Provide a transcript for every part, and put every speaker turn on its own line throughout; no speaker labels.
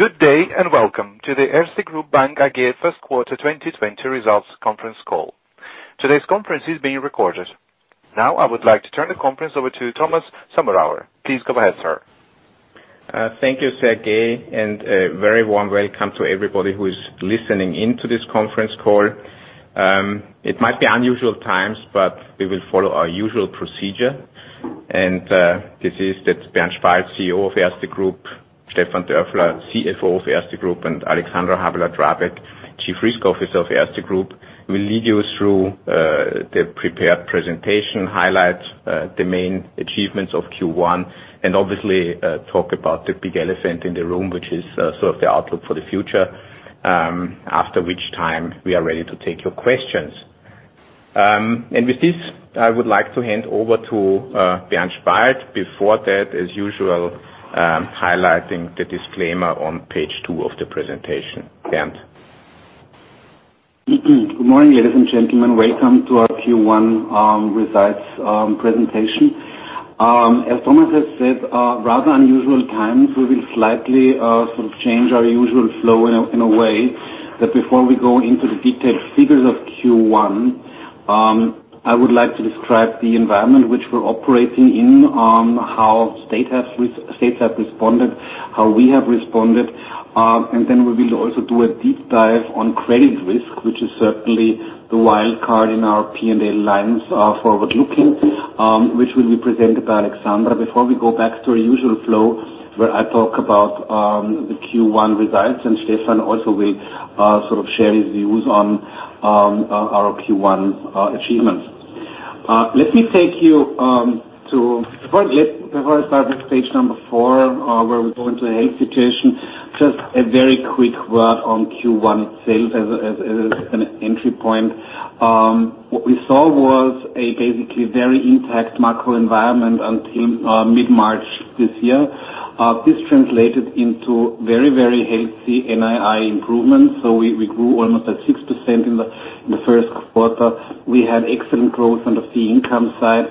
Good day, and welcome to the Erste Group Bank AG First Quarter 2020 Results Conference Call. Today's conference is being recorded. Now, I would like to turn the conference over to Thomas Sommerauer. Please go ahead, sir.
Thank you, Sergei. A very warm welcome to everybody who is listening in to this conference call. It might be unusual times, we will follow our usual procedure. This is that Bernd Spalt, Chief Executive Officer of Erste Group, Stefan Dörfler, Chief Financial Officer of Erste Group, and Alexandra Habeler-Drabek, Chief Risk Officer of Erste Group, will lead you through the prepared presentation highlights, the main achievements of Q1, and obviously, talk about the big elephant in the room, which is sort of the outlook for the future, after which time we are ready to take your questions. With this, I would like to hand over to Bernd Spalt. Before that, as usual, highlighting the disclaimer on page two of the presentation. Bernd.
Good morning, ladies and gentlemen. Welcome to our Q1 results presentation. As Thomas has said, rather unusual times. We will slightly change our usual flow in a way, that before we go into the detailed figures of Q1, I would like to describe the environment which we're operating in, how states have responded, how we have responded, and then we will also do a deep dive on credit risk, which is certainly the wild card in our P&L lines forward-looking, which will be presented by Alexandra. Before we go back to our usual flow, where I talk about the Q1 results, and Stefan also will share his views on our Q1 achievements. Before I start with page number four, where we go into the health situation, just a very quick word on Q1 sales as an entry point. What we saw was a basically very intact macro environment until mid-March this year. This translated into very healthy NII improvements. We grew almost at 6% in the first quarter. We had excellent growth on the fee income side.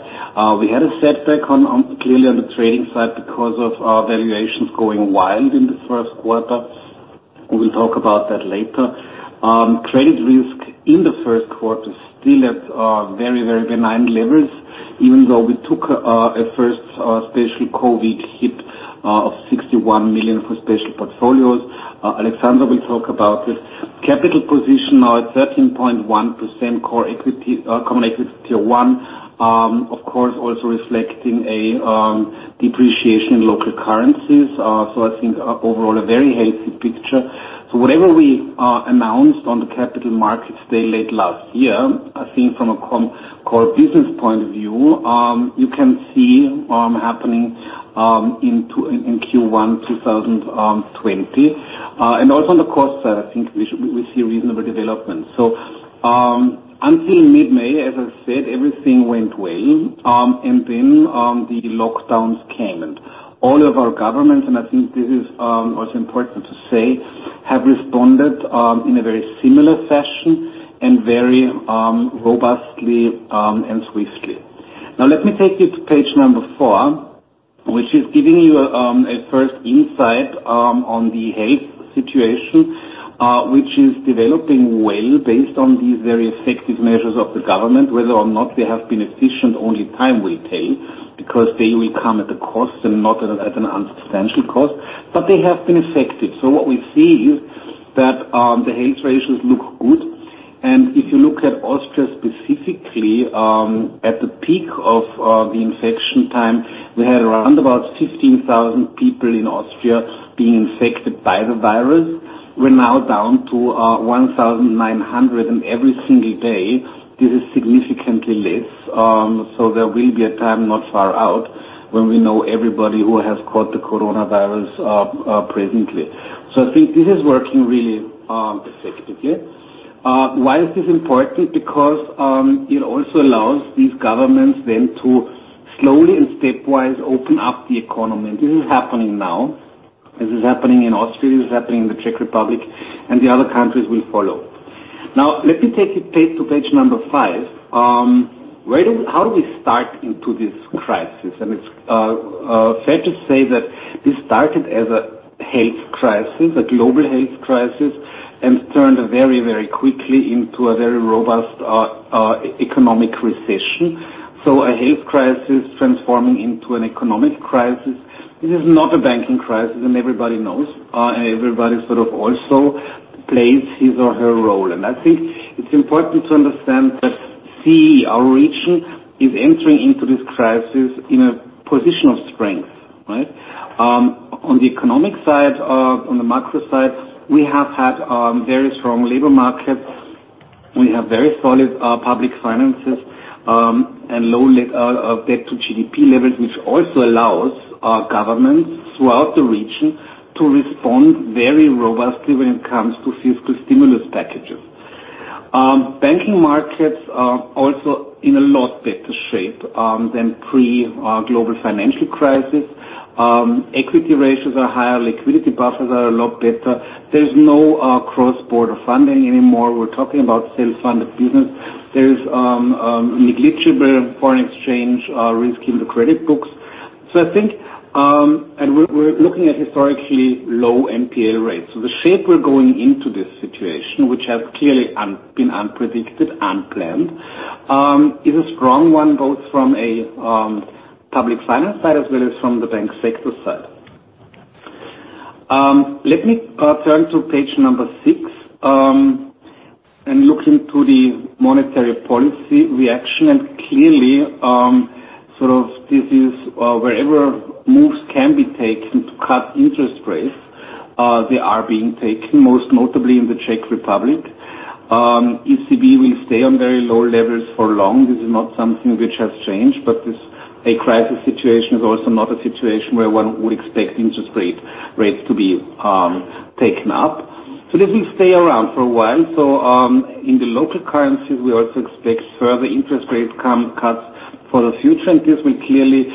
We had a setback clearly on the trading side because of our valuations going wild in the first quarter. We will talk about that later. Credit risk in the first quarter is still at very benign levels, even though we took a first special COVID hit of 61 million for special portfolios. Alexandra will talk about this. Capital position now at 13.1% core Common Equity Tier 1, of course, also reflecting a depreciation in local currencies. I think overall a very healthy picture. Whatever we announced on the Capital Markets Day late last year, I think from a core business point of view, you can see happening in Q1 2020. Also on the cost side, I think we see reasonable development. Until mid-May, as I said, everything went well, the lockdowns came. All of our governments, and I think this is also important to say, have responded in a very similar fashion and very robustly and swiftly. Let me take you to page four, which is giving you a first insight on the health situation, which is developing well based on these very effective measures of the government. Whether or not they have been efficient, only time will tell, because they will come at a cost, and not at an unsubstantial cost, but they have been effective. What we see is that the health ratios look good, and if you look at Austria specifically, at the peak of the infection time, we had around about 15,000 people in Austria being infected by the virus. We're now down to 1,900, and every single day, this is significantly less. There will be a time not far out when we know everybody who has caught the coronavirus presently. I think this is working really effectively. Why is this important? Because it also allows these governments then to slowly and stepwise open up the economy. This is happening now. This is happening in Austria, this is happening in the Czech Republic, and the other countries will follow. Let me take you to page number five. How do we start into this crisis? It's fair to say that this started as a health crisis, a global health crisis, and turned very quickly into a very robust economic recession. A health crisis transforming into an economic crisis. This is not a banking crisis and everybody knows, everybody sort of also plays his or her role. I think it's important to understand that CEE, our region, is entering into this crisis in a position of strength. On the economic side, on the macro side, we have had very strong labor markets. We have very solid public finances, and low debt-to-GDP levels, which also allows our governments throughout the region to respond very robustly when it comes to fiscal stimulus packages. Banking markets are also in a lot better shape than pre-global financial crisis. Equity ratios are higher, liquidity buffers are a lot better. There is no cross-border funding anymore. We're talking about self-funded business. There is negligible foreign exchange risk in the credit books. I think, and we're looking at historically low NPL rates. The shape we're going into this situation, which has clearly been unpredicted, unplanned, is a strong one, both from a public finance side as well as from the bank sector side. Let me turn to page number six and look into the monetary policy reaction, and clearly, wherever moves can be taken to cut interest rates, they are being taken, most notably in the Czech Republic. ECB will stay on very low levels for long. This is not something which has changed, but a crisis situation is also not a situation where one would expect interest rates to be taken up. This will stay around for a while. In the local currencies, we also expect further interest rates cuts for the future, and this will clearly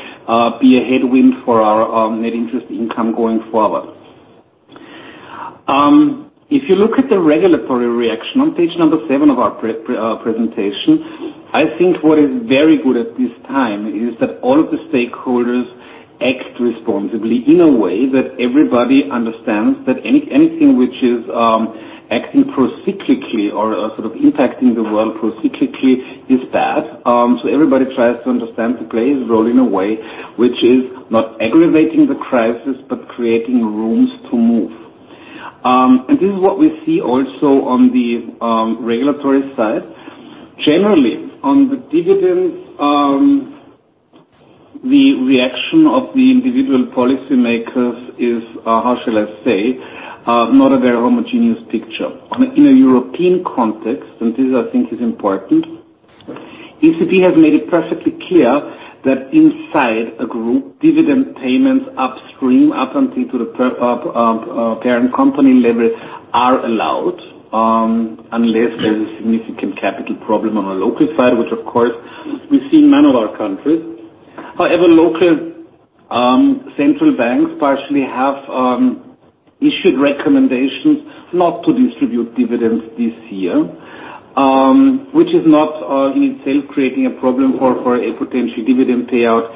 be a headwind for our Net Interest Income going forward. If you look at the regulatory reaction on page number seven of our presentation, I think what is very good at this time is that all of the stakeholders act responsibly in a way that everybody understands that anything which is acting procyclically or impacting the world procyclically is bad. Everybody tries to understand, to play his role in a way which is not aggravating the crisis, but creating rooms to move. This is what we see also on the regulatory side. Generally, on the dividends, the reaction of the individual policy makers is, how shall I say, not a very homogeneous picture. In a European context, and this I think is important, ECB has made it perfectly clear that inside a group, dividend payments upstream up until the parent company level are allowed, unless there's a significant capital problem on a local side, which of course, we see in none of our countries. Local central banks partially have issued recommendations not to distribute dividends this year, which is not in itself creating a problem for a potential dividend payout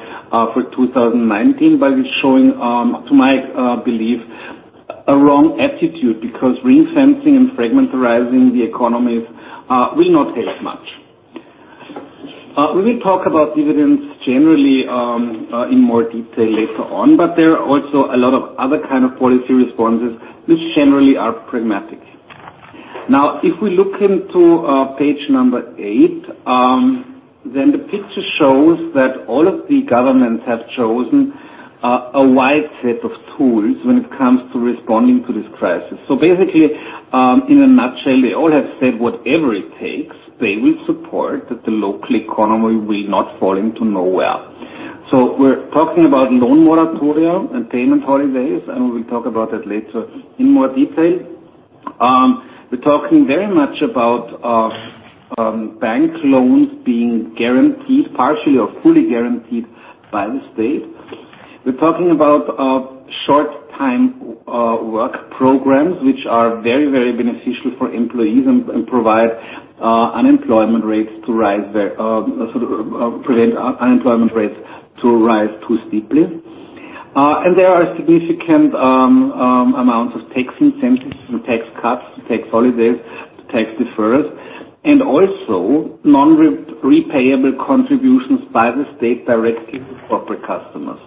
for 2019. It's showing, to my belief, a wrong attitude because ring-fencing and fragmentarizing the economies will not help much. We will talk about dividends generally in more detail later on. There are also a lot of other policy responses which generally are pragmatic. If we look into page number eight, the picture shows that all of the governments have chosen a wide set of tools when it comes to responding to this crisis. Basically, in a nutshell, they all have said whatever it takes, they will support, that the local economy will not fall into nowhere. We're talking about loan moratoria and payment holidays, and we will talk about that later in more detail. We're talking very much about bank loans being guaranteed, partially or fully guaranteed by the state. We're talking about short-time work programs, which are very beneficial for employees and prevent unemployment rates to rise too steeply. There are significant amounts of tax incentives and tax cuts, tax holidays, tax deferrals, and also non-repayable contributions by the state directly to corporate customers.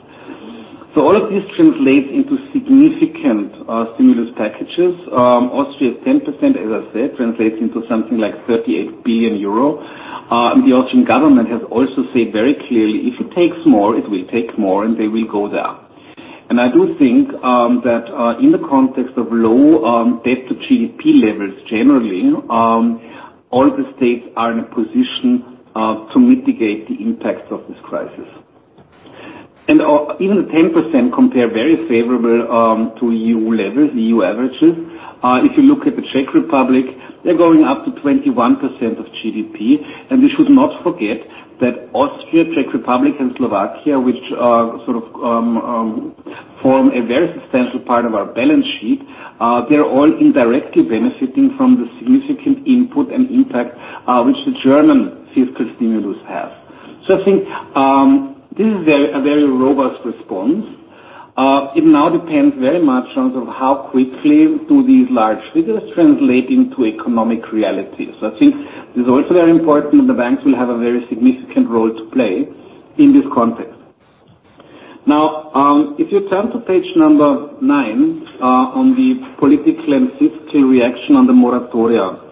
All of this translates into significant stimulus packages. Austria's 10%, as I said, translates into something like 38 billion euro. The Austrian government has also said very clearly, if it takes more, it will take more, and they will go there. I do think that in the context of low debt to GDP levels, generally, all the states are in a position to mitigate the impact of this crisis. Even the 10% compare very favorably to EU levels, EU averages. If you look at the Czech Republic, they're going up to 21% of GDP. We should not forget that Austria, Czech Republic, and Slovakia, which form a very substantial part of our balance sheet, they're all indirectly benefiting from the significant input and impact which the German fiscal stimulus has. I think this is a very robust response. It now depends very much on how quickly do these large figures translate into economic reality. I think it is also very important the banks will have a very significant role to play in this context. Now, if you turn to page number nine, on the political and fiscal reaction on the moratoria.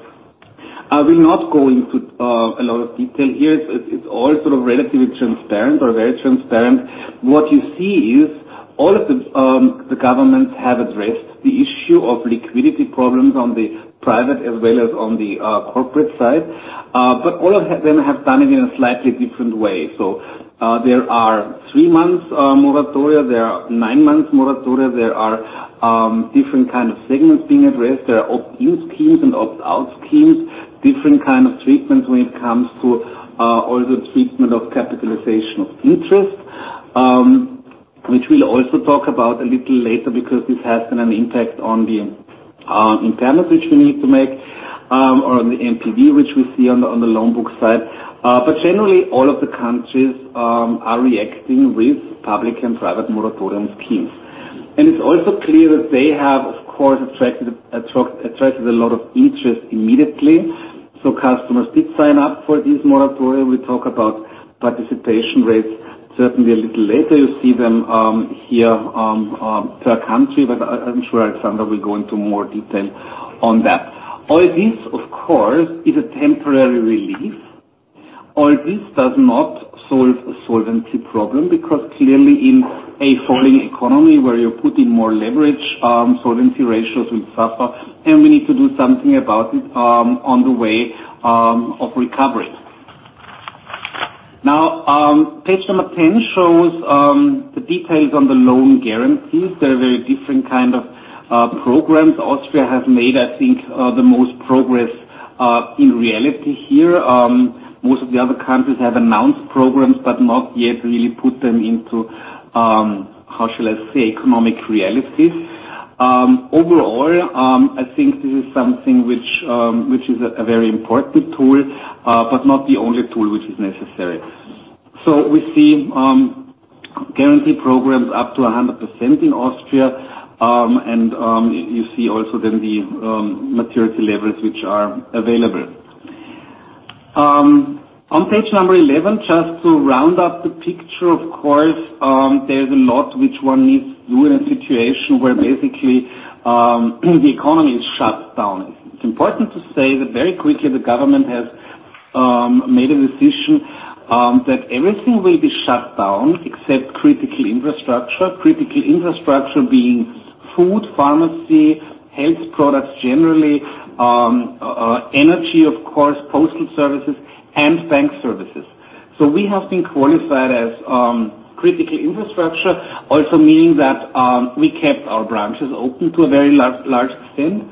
I will not go into a lot of detail here. It's all relatively transparent or very transparent. What you see is all of the governments have addressed the issue of liquidity problems on the private as well as on the corporate side. All of them have done it in a slightly different way. There are three months moratoria, there are nine months moratoria, there are different kind of segments being addressed, there are opt-in schemes and opt-out schemes, different kind of treatments when it comes to all the treatment of capitalization of interest, which we'll also talk about a little later because this has been an impact In terms of which we need to make, or on the NPV, which we see on the loan book side. Generally, all of the countries are reacting with public and private moratorium schemes. It's also clear that they have, of course, attracted a lot of interest immediately, so customers did sign up for this moratorium. We talk about participation rates certainly a little later. You see them here per country, but I'm sure Alexandra will go into more detail on that. All this, of course, is a temporary relief. This does not solve a solvency problem because clearly in a falling economy where you put in more leverage, solvency ratios will suffer, and we need to do something about it on the way of recovery. Page number 10 shows the details on the loan guarantees. There are very different kind of programs Austria has made, I think, the most progress in reality here. Most of the other countries have announced programs, not yet really put them into, how shall I say, economic reality. I think this is something which is a very important tool, not the only tool which is necessary. We see guarantee programs up to 100% in Austria, you see also then the maturity levels which are available. On page number 11, just to round up the picture, of course, there's a lot which one needs to do in a situation where basically the economy is shut down. It's important to say that very quickly the government has made a decision that everything will be shut down except critical infrastructure. Critical infrastructure being food, pharmacy, health products generally, energy, of course, postal services, bank services. We have been qualified as critical infrastructure, also meaning that we kept our branches open to a very large extent.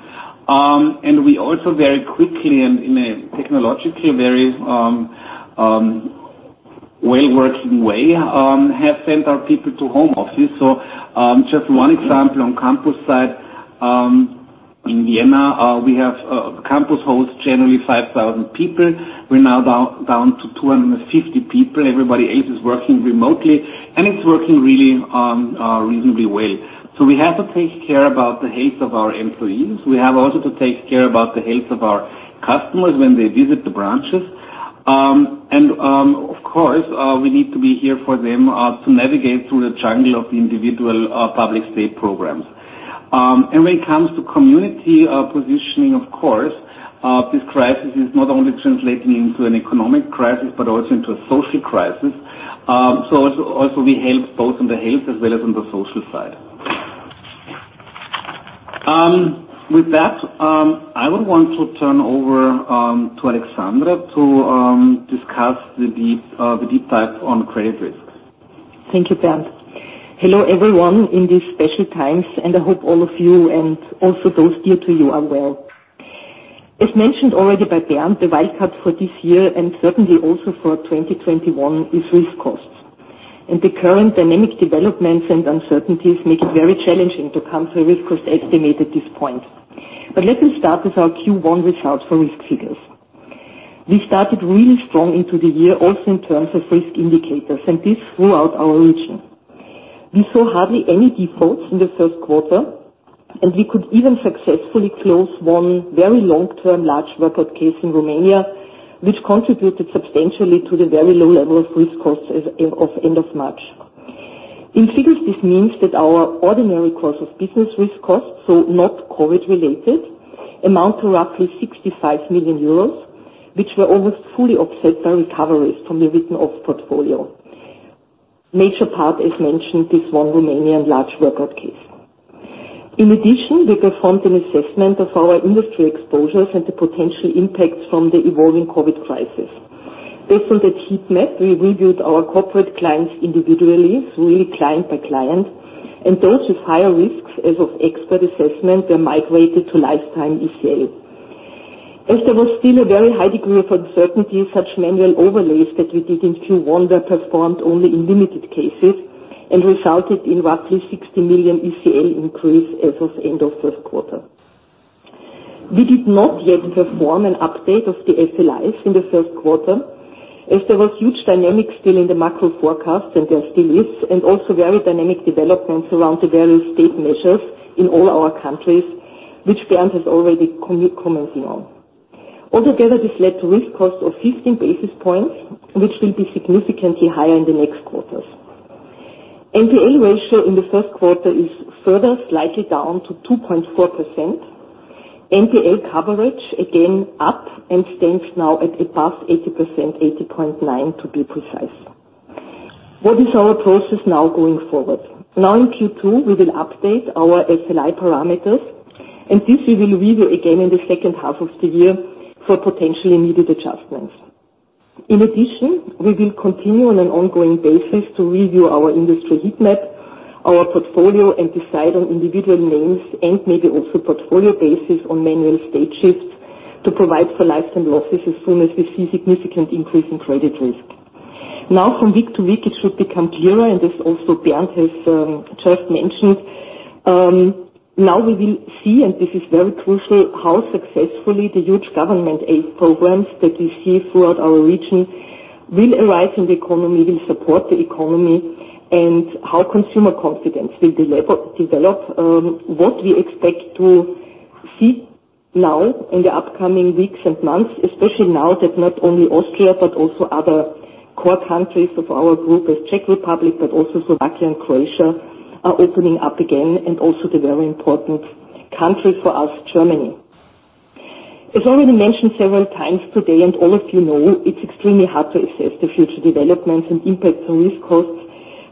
We also very quickly and in a technologically very well-working way have sent our people to home office. Just one example on campus side, in Vienna, we have campus hosts generally 5,000 people. We're now down to 250 people. Everybody else is working remotely, it's working really reasonably well. We have to take care about the health of our employees. We have also to take care about the health of our customers when they visit the branches. Of course, we need to be here for them to navigate through the jungle of individual public state programs. When it comes to community positioning, of course, this crisis is not only translating into an economic crisis, but also into a social crisis. Also we help both on the health as well as on the social side. With that, I would want to turn over to Alexandra to discuss the deep dive on credit risk.
Thank you, Bernd. Hello, everyone, in these special times, and I hope all of you and also those dear to you are well. As mentioned already by Bernd, the wild card for this year and certainly also for 2021 is risk costs. The current dynamic developments and uncertainties make it very challenging to come to a risk cost estimate at this point. Let me start with our Q1 results for risk figures. We started really strong into the year also in terms of risk indicators, and this throughout our region. We saw hardly any defaults in the first quarter, and we could even successfully close one very long-term large workout case in Romania, which contributed substantially to the very low level of risk costs of end of March. In figures, this means that our ordinary course of business risk costs, so not COVID-related, amount to roughly 65 million euros, which were almost fully offset by recoveries from the written-off portfolio. Major part, as mentioned, this one Romanian large workout case. In addition, we performed an assessment of our industry exposures and the potential impacts from the evolving COVID crisis. Based on that heat map, we reviewed our corporate clients individually, so really client by client, and those with higher risks as of expert assessment were migrated to lifetime ECL. As there was still a very high degree of uncertainty of such manual overlays that we did in Q1 that performed only in limited cases and resulted in roughly 60 million ECL increase as of end of first quarter. We did not yet perform an update of the SLIs in the first quarter, as there was huge dynamics still in the macro forecast, and there still is, and also very dynamic developments around the various state measures in all our countries, which Bernd has already commented on. Altogether, this led to risk costs of 15 basis points, which will be significantly higher in the next quarters. NPA ratio in the first quarter is further slightly down to 2.4%. NPA coverage again up and stands now at above 80%, 80.9% to be precise. What is our process now going forward? Now in Q2, we will update our SLI parameters, and this we will review again in the second half of the year for potentially needed adjustments. In addition, we will continue on an ongoing basis to review our industry heat map, our portfolio, and decide on individual names and maybe also portfolio basis on manual stage shifts to provide for lifetime losses as soon as we see significant increase in credit risk. From week to week, it should become clearer, and this also Bernd has just mentioned. We will see, and this is very crucial, how successfully the huge government aid programs that we see throughout our region will arrive in the economy, will support the economy, and how consumer confidence will develop. What we expect to see now in the upcoming weeks and months, especially now that not only Austria, but also other core countries of our group as Czech Republic, but also Slovakia and Croatia, are opening up again, and also the very important country for us, Germany. As already mentioned several times today, and all of you know, it's extremely hard to assess the future developments and impact on risk costs,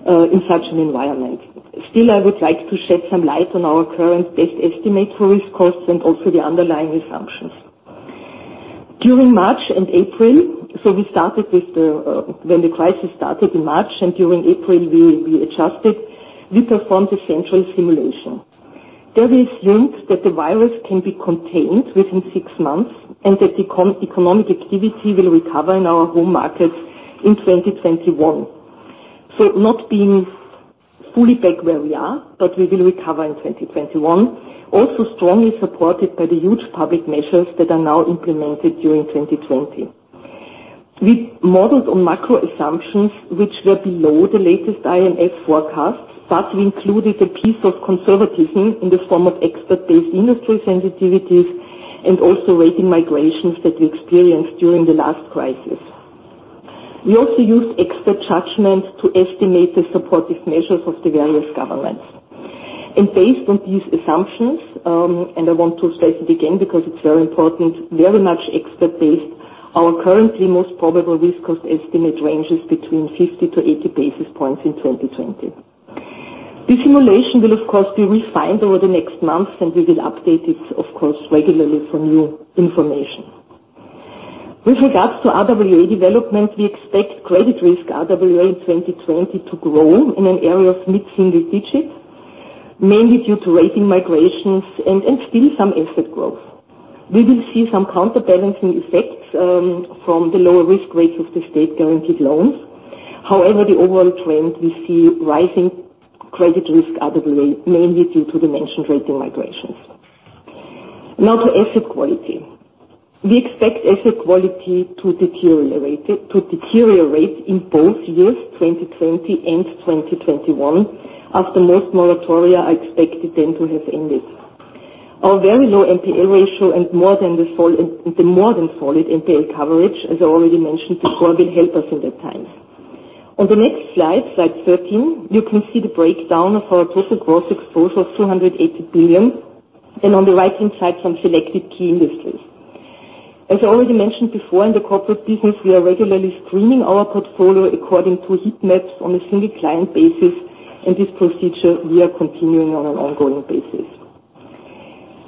in such an environment. Still, I would like to shed some light on our current best estimate for risk costs and also the underlying assumptions. During March and April, we performed the central simulation. That assumed that the virus can be contained within six months, and that economic activity will recover in our home markets in 2021. Not being fully back where we are, but we will recover in 2021, also strongly supported by the huge public measures that are now implemented during 2020. We modeled on macro assumptions which were below the latest IMF forecast, but we included a piece of conservatism in the form of expert-based industry sensitivities and also rating migrations that we experienced during the last crisis. We also used expert judgment to estimate the supportive measures of the various governments. Based on these assumptions, and I want to state it again because it is very important, very much expert-based, our currently most probable risk cost estimate ranges between 50 to 80 basis points in 2020. This simulation will, of course, be refined over the next months, and we will update it, of course, regularly for new information. With regards to RWA development, we expect credit risk RWA 2020 to grow in an area of mid-single digits, mainly due to rating migrations and still some asset growth. We will see some counterbalancing effects from the lower risk rates of the state-guaranteed loans. The overall trend, we see rising credit risk RWA, mainly due to the mentioned rating migrations. Now to asset quality. We expect asset quality to deteriorate in both years, 2020 and 2021, as the most moratoria are expected then to have ended. Our very low NPA ratio and the more than solid NPA coverage, as I already mentioned before, will help us in that time. On the next slide 13, you can see the breakdown of our total gross exposure of 280 billion, and on the right-hand side, some selected key industries. As I already mentioned before, in the corporate business, we are regularly screening our portfolio according to heat maps on a single client basis and this procedure we are continuing on an ongoing basis.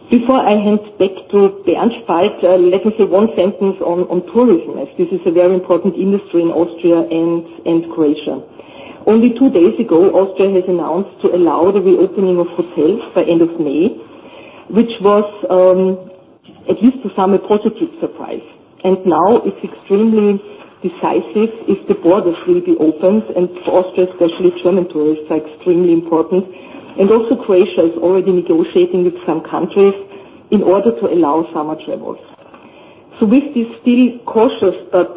Before I hand back to Bernd Spalt, let me say one sentence on tourism, as this is a very important industry in Austria and Croatia. Only two days ago, Austria has announced to allow the reopening of hotels by end of May, which was, at least for some, a positive surprise. Now it's extremely decisive if the borders will be opened, and for Austria especially, German tourists are extremely important. Also Croatia is already negotiating with some countries in order to allow summer travels. With this still cautious but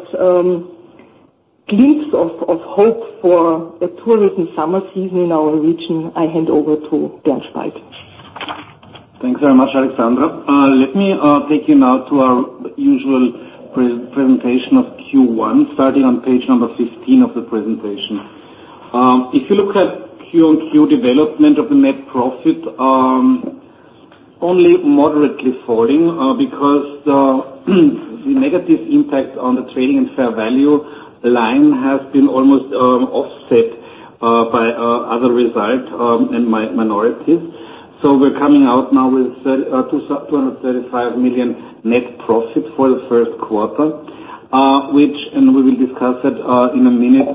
glimpse of hope for a tourism summer season in our region, I hand over to Bernd Spalt.
Thanks very much, Alexandra. Let me take you now to our usual presentation of Q1, starting on page number 15 of the presentation. If you look at Q on Q development of the net profit, only moderately falling because the negative impact on the trading and fair value line has been almost offset by other results in minorities. We're coming out now with 235 million net profit for the first quarter, which, and we will discuss it in a minute,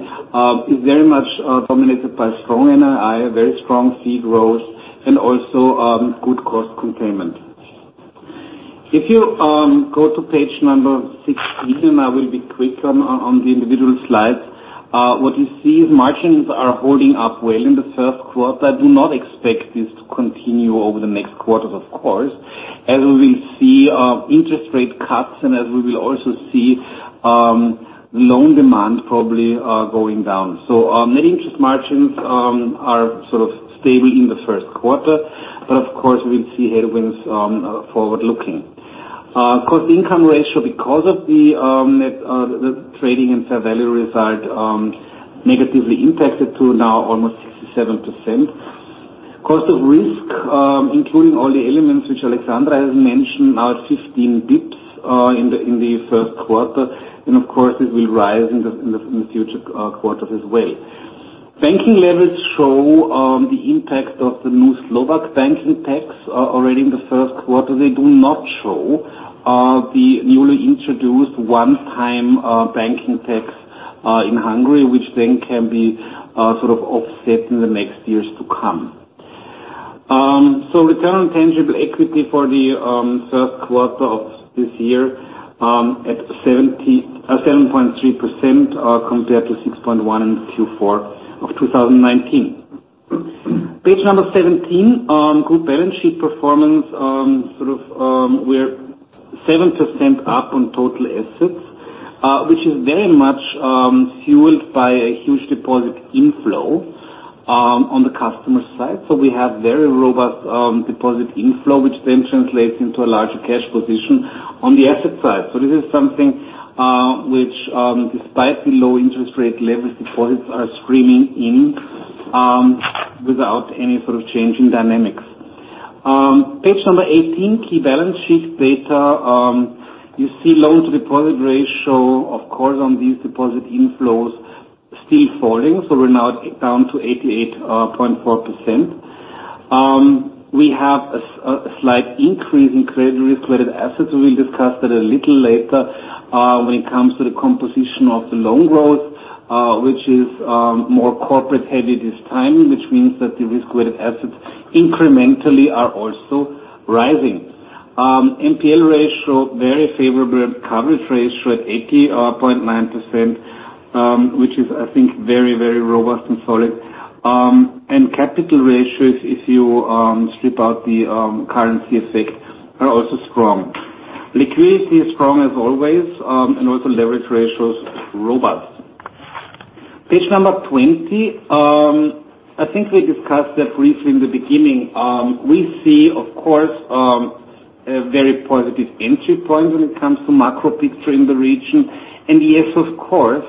is very much dominated by strong NII, very strong fee growth, and also good cost containment. If you go to page number 16, and I will be quick on the individual slides, what you see is margins are holding up well in the first quarter. I do not expect this to continue over the next quarters, of course, as we will see interest rate cuts and as we will also see loan demand probably going down. Net interest margins are sort of stable in the first quarter, but of course, we will see headwinds forward-looking. Cost-Income Ratio, because of the net trading and fair value result, negatively impacted to now almost 67%. Cost of risk, including all the elements which Alexandra has mentioned, now at 15 basis points in the first quarter, and of course, it will rise in the future quarters as well. Banking levels show the impact of the new Slovak banking tax already in the first quarter. They do not show the newly introduced one-time banking tax in Hungary, which then can be sort of offset in the next years to come. Return on tangible equity for the first quarter of this year at 7.3%, compared to 6.1% in Q4 of 2019. Page number 17, group balance sheet performance. We're 7% up on total assets, which is very much fueled by a huge deposit inflow on the customer side. We have very robust deposit inflow, which then translates into a larger cash position on the asset side. This is something which, despite the low interest rate levels, deposits are streaming in without any sort of change in dynamics. Page number 18, key balance sheet data. You see loan-to-deposit ratio, of course, on these deposit inflows still falling. We're now down to 88.4%. We have a slight increase in credit risk-weighted assets. We'll discuss that a little later when it comes to the composition of the loan growth, which is more corporate-heavy this time, which means that the risk-weighted assets incrementally are also rising. NPL ratio, very favorable. Coverage ratio at 80.9%, which is, I think, very robust and solid. Capital ratios, if you strip out the currency effect, are also strong. Liquidity is strong as always, and also leverage ratio is robust. Page number 20. I think we discussed that briefly in the beginning. We see, of course, a very positive entry point when it comes to macro picture in the region. Yes, of course,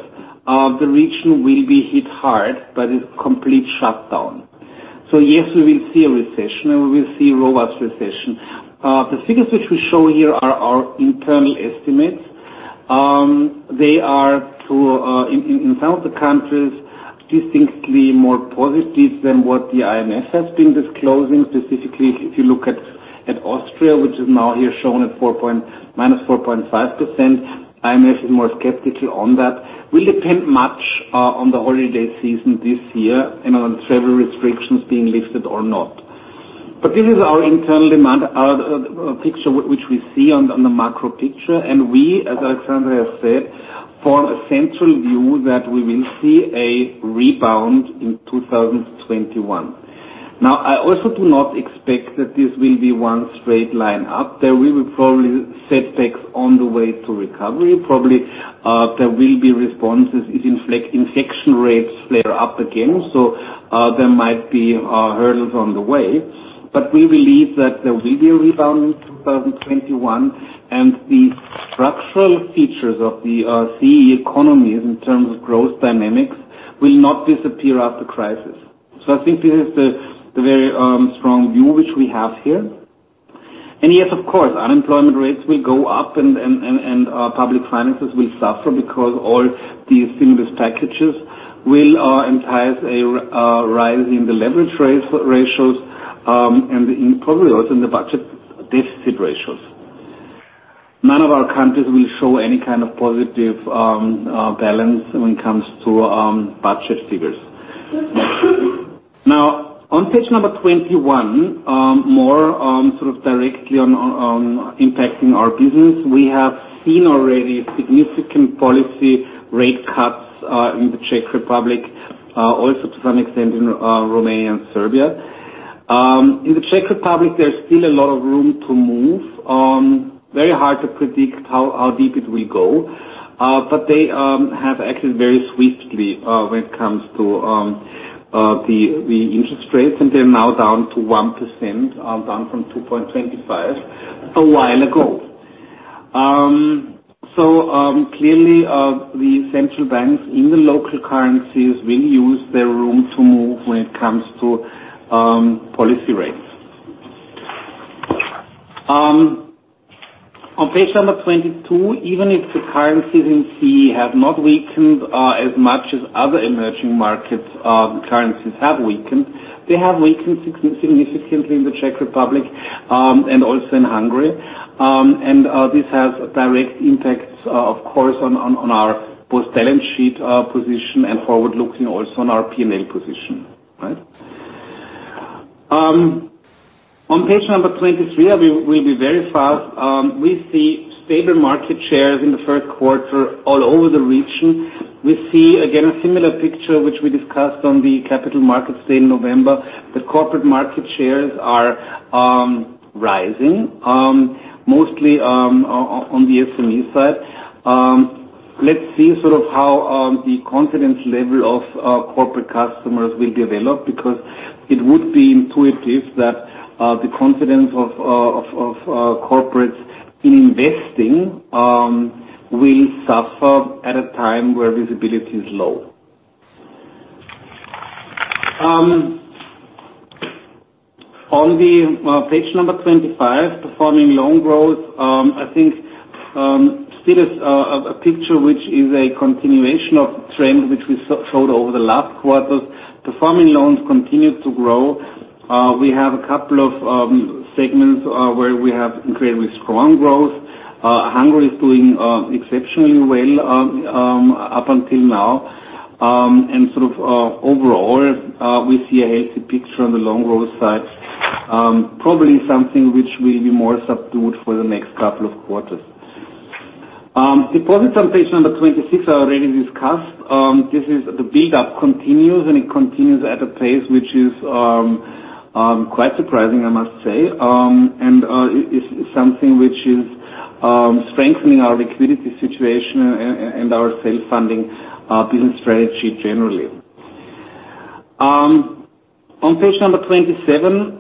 the region will be hit hard by this complete shutdown. Yes, we will see a recession, and we will see a robust recession. The figures which we show here are our internal estimates. They are, in some of the countries, distinctly more positive than what the IMF has been disclosing. Specifically, if you look at Austria, which is now here shown at -4.5%, IMF is more skeptical on that. Will depend much on the holiday season this year and on travel restrictions being lifted or not. This is our internal demand, our picture which we see on the macro picture. We, as Alexandra said, form a central view that we will see a rebound in 2021. I also do not expect that this will be one straight line up. There will be probably setbacks on the way to recovery. Probably there will be responses if infection rates flare up again. There might be hurdles on the way. We believe that there will be a rebound in 2021 and the structural features of the CEE economies in terms of growth dynamics will not disappear after crisis. I think this is the very strong view which we have here. Yes, of course, unemployment rates will go up and public finances will suffer because all these stimulus packages will entice a rise in the leverage ratios and probably also in the budget deficit ratios. None of our countries will show any kind of positive balance when it comes to budget figures. On page number 21, more directly on impacting our business. We have seen already significant policy rate cuts in the Czech Republic, also to some extent in Romania and Serbia. In the Czech Republic, there's still a lot of room to move. Very hard to predict how deep it will go. They have acted very swiftly when it comes to the interest rates, and they're now down to 1%, down from 2.25% a while ago. Clearly, the central banks in the local currencies will use their room to move when it comes to policy rates. On page number 22, even if the currencies in CEE have not weakened as much as other emerging market currencies have weakened, they have weakened significantly in the Czech Republic and also in Hungary. This has a direct impact, of course, on our both balance sheet position and forward-looking also on our P&L position. Right? On page number 23, we'll be very fast. We see stable market shares in the first quarter all over the region. We see, again, a similar picture which we discussed on the Capital Markets Day in November. The corporate market shares are rising, mostly on the SME side. Let's see how the confidence level of corporate customers will develop because it would be intuitive that the confidence of corporates in investing will suffer at a time where visibility is low. On page 25, performing loan growth, I think still is a picture which is a continuation of trends which we showed over the last quarters. Performing loans continued to grow. We have a couple of segments where we have incredibly strong growth. Hungary is doing exceptionally well up until now. Overall, we see a healthy picture on the loan growth side. Probably something which will be more subdued for the next couple of quarters. Deposit on page 26 are already discussed. The build-up continues, and it continues at a pace which is quite surprising, I must say. It is something which is strengthening our liquidity situation and our sales funding business strategy generally. On page number 27,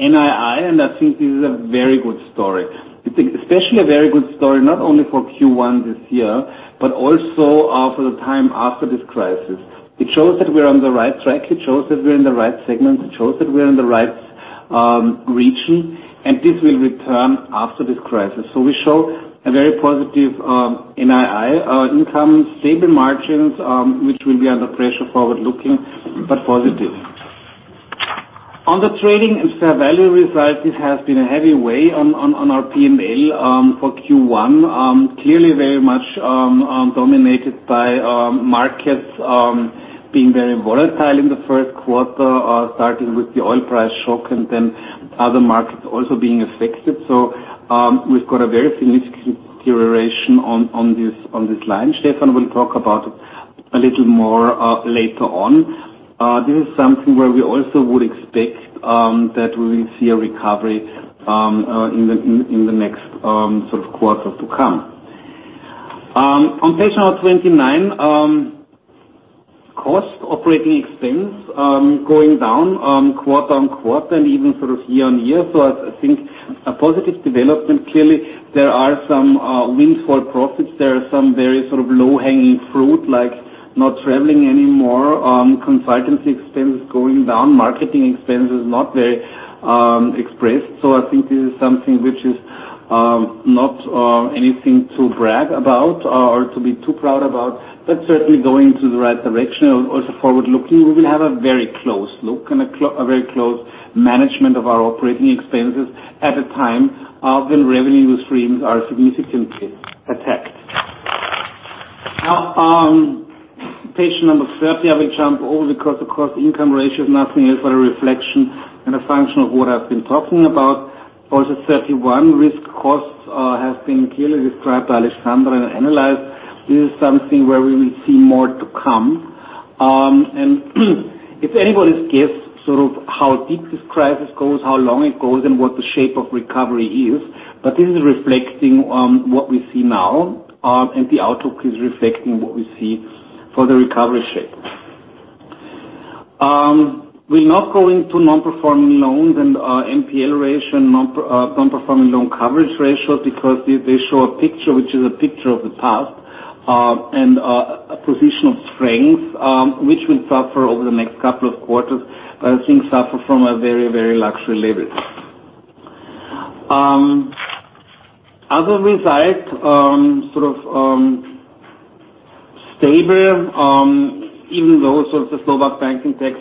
NII, and I think this is a very good story. Especially a very good story, not only for Q1 this year, but also for the time after this crisis. It shows that we're on the right track. It shows that we're in the right segment. It shows that we're in the right region, and this will return after this crisis. We show a very positive NII income, stable margins, which will be under pressure forward-looking, but positive. On the trading and fair value results, it has been a heavy weight on our P&L for Q1. Clearly very much dominated by markets being very volatile in the first quarter, starting with the oil price shock and then other markets also being affected. We've got a very significant deterioration on this line. Stefan will talk about a little more later on. This is something where we also would expect that we will see a recovery in the next quarters to come. On page number 29, cost operating expense going down quarter-on-quarter and even year-on-year. I think a positive development. Clearly, there are some windfall profits. There are some very low-hanging fruit, like not traveling anymore, consultancy expense going down, marketing expenses not very expressed. I think this is something which is not anything to brag about or to be too proud about, but certainly going to the right direction. Also forward-looking, we will have a very close look and a very close management of our operating expenses at the time when revenue streams are significantly attacked. Page number 30, I will jump over because the Cost-Income Ratio is nothing else but a reflection and a function of what I've been talking about. Page 31, risk costs have been clearly described by Alexandra and analyzed. This is something where we will see more to come. It's anybody's guess how deep this crisis goes, how long it goes, and what the shape of recovery is, but this is reflecting on what we see now, and the outlook is reflecting what we see for the recovery shape. We'll not go into non-performing loans and NPL Ratio, non-performing loan coverage ratio because they show a picture which is a picture of the past and a position of strength which will suffer over the next couple of quarters, but I think suffer from a very luxury level. Other results, stable, even though the Slovak banking tax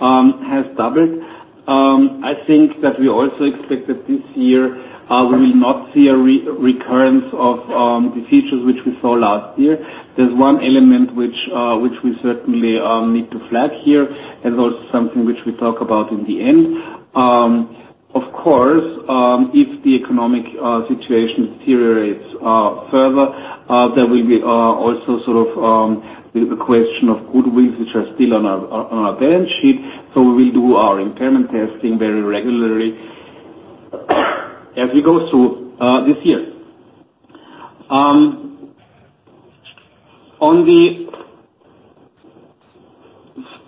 has doubled. I think that we also expect that this year we will not see a recurrence of the features which we saw last year. There's one element which we certainly need to flag here and also something which we talk about in the end. Of course, if the economic situation deteriorates further there will be also the question of goodwills, which are still on our balance sheet, so we will do our impairment testing very regularly as we go through this year. On the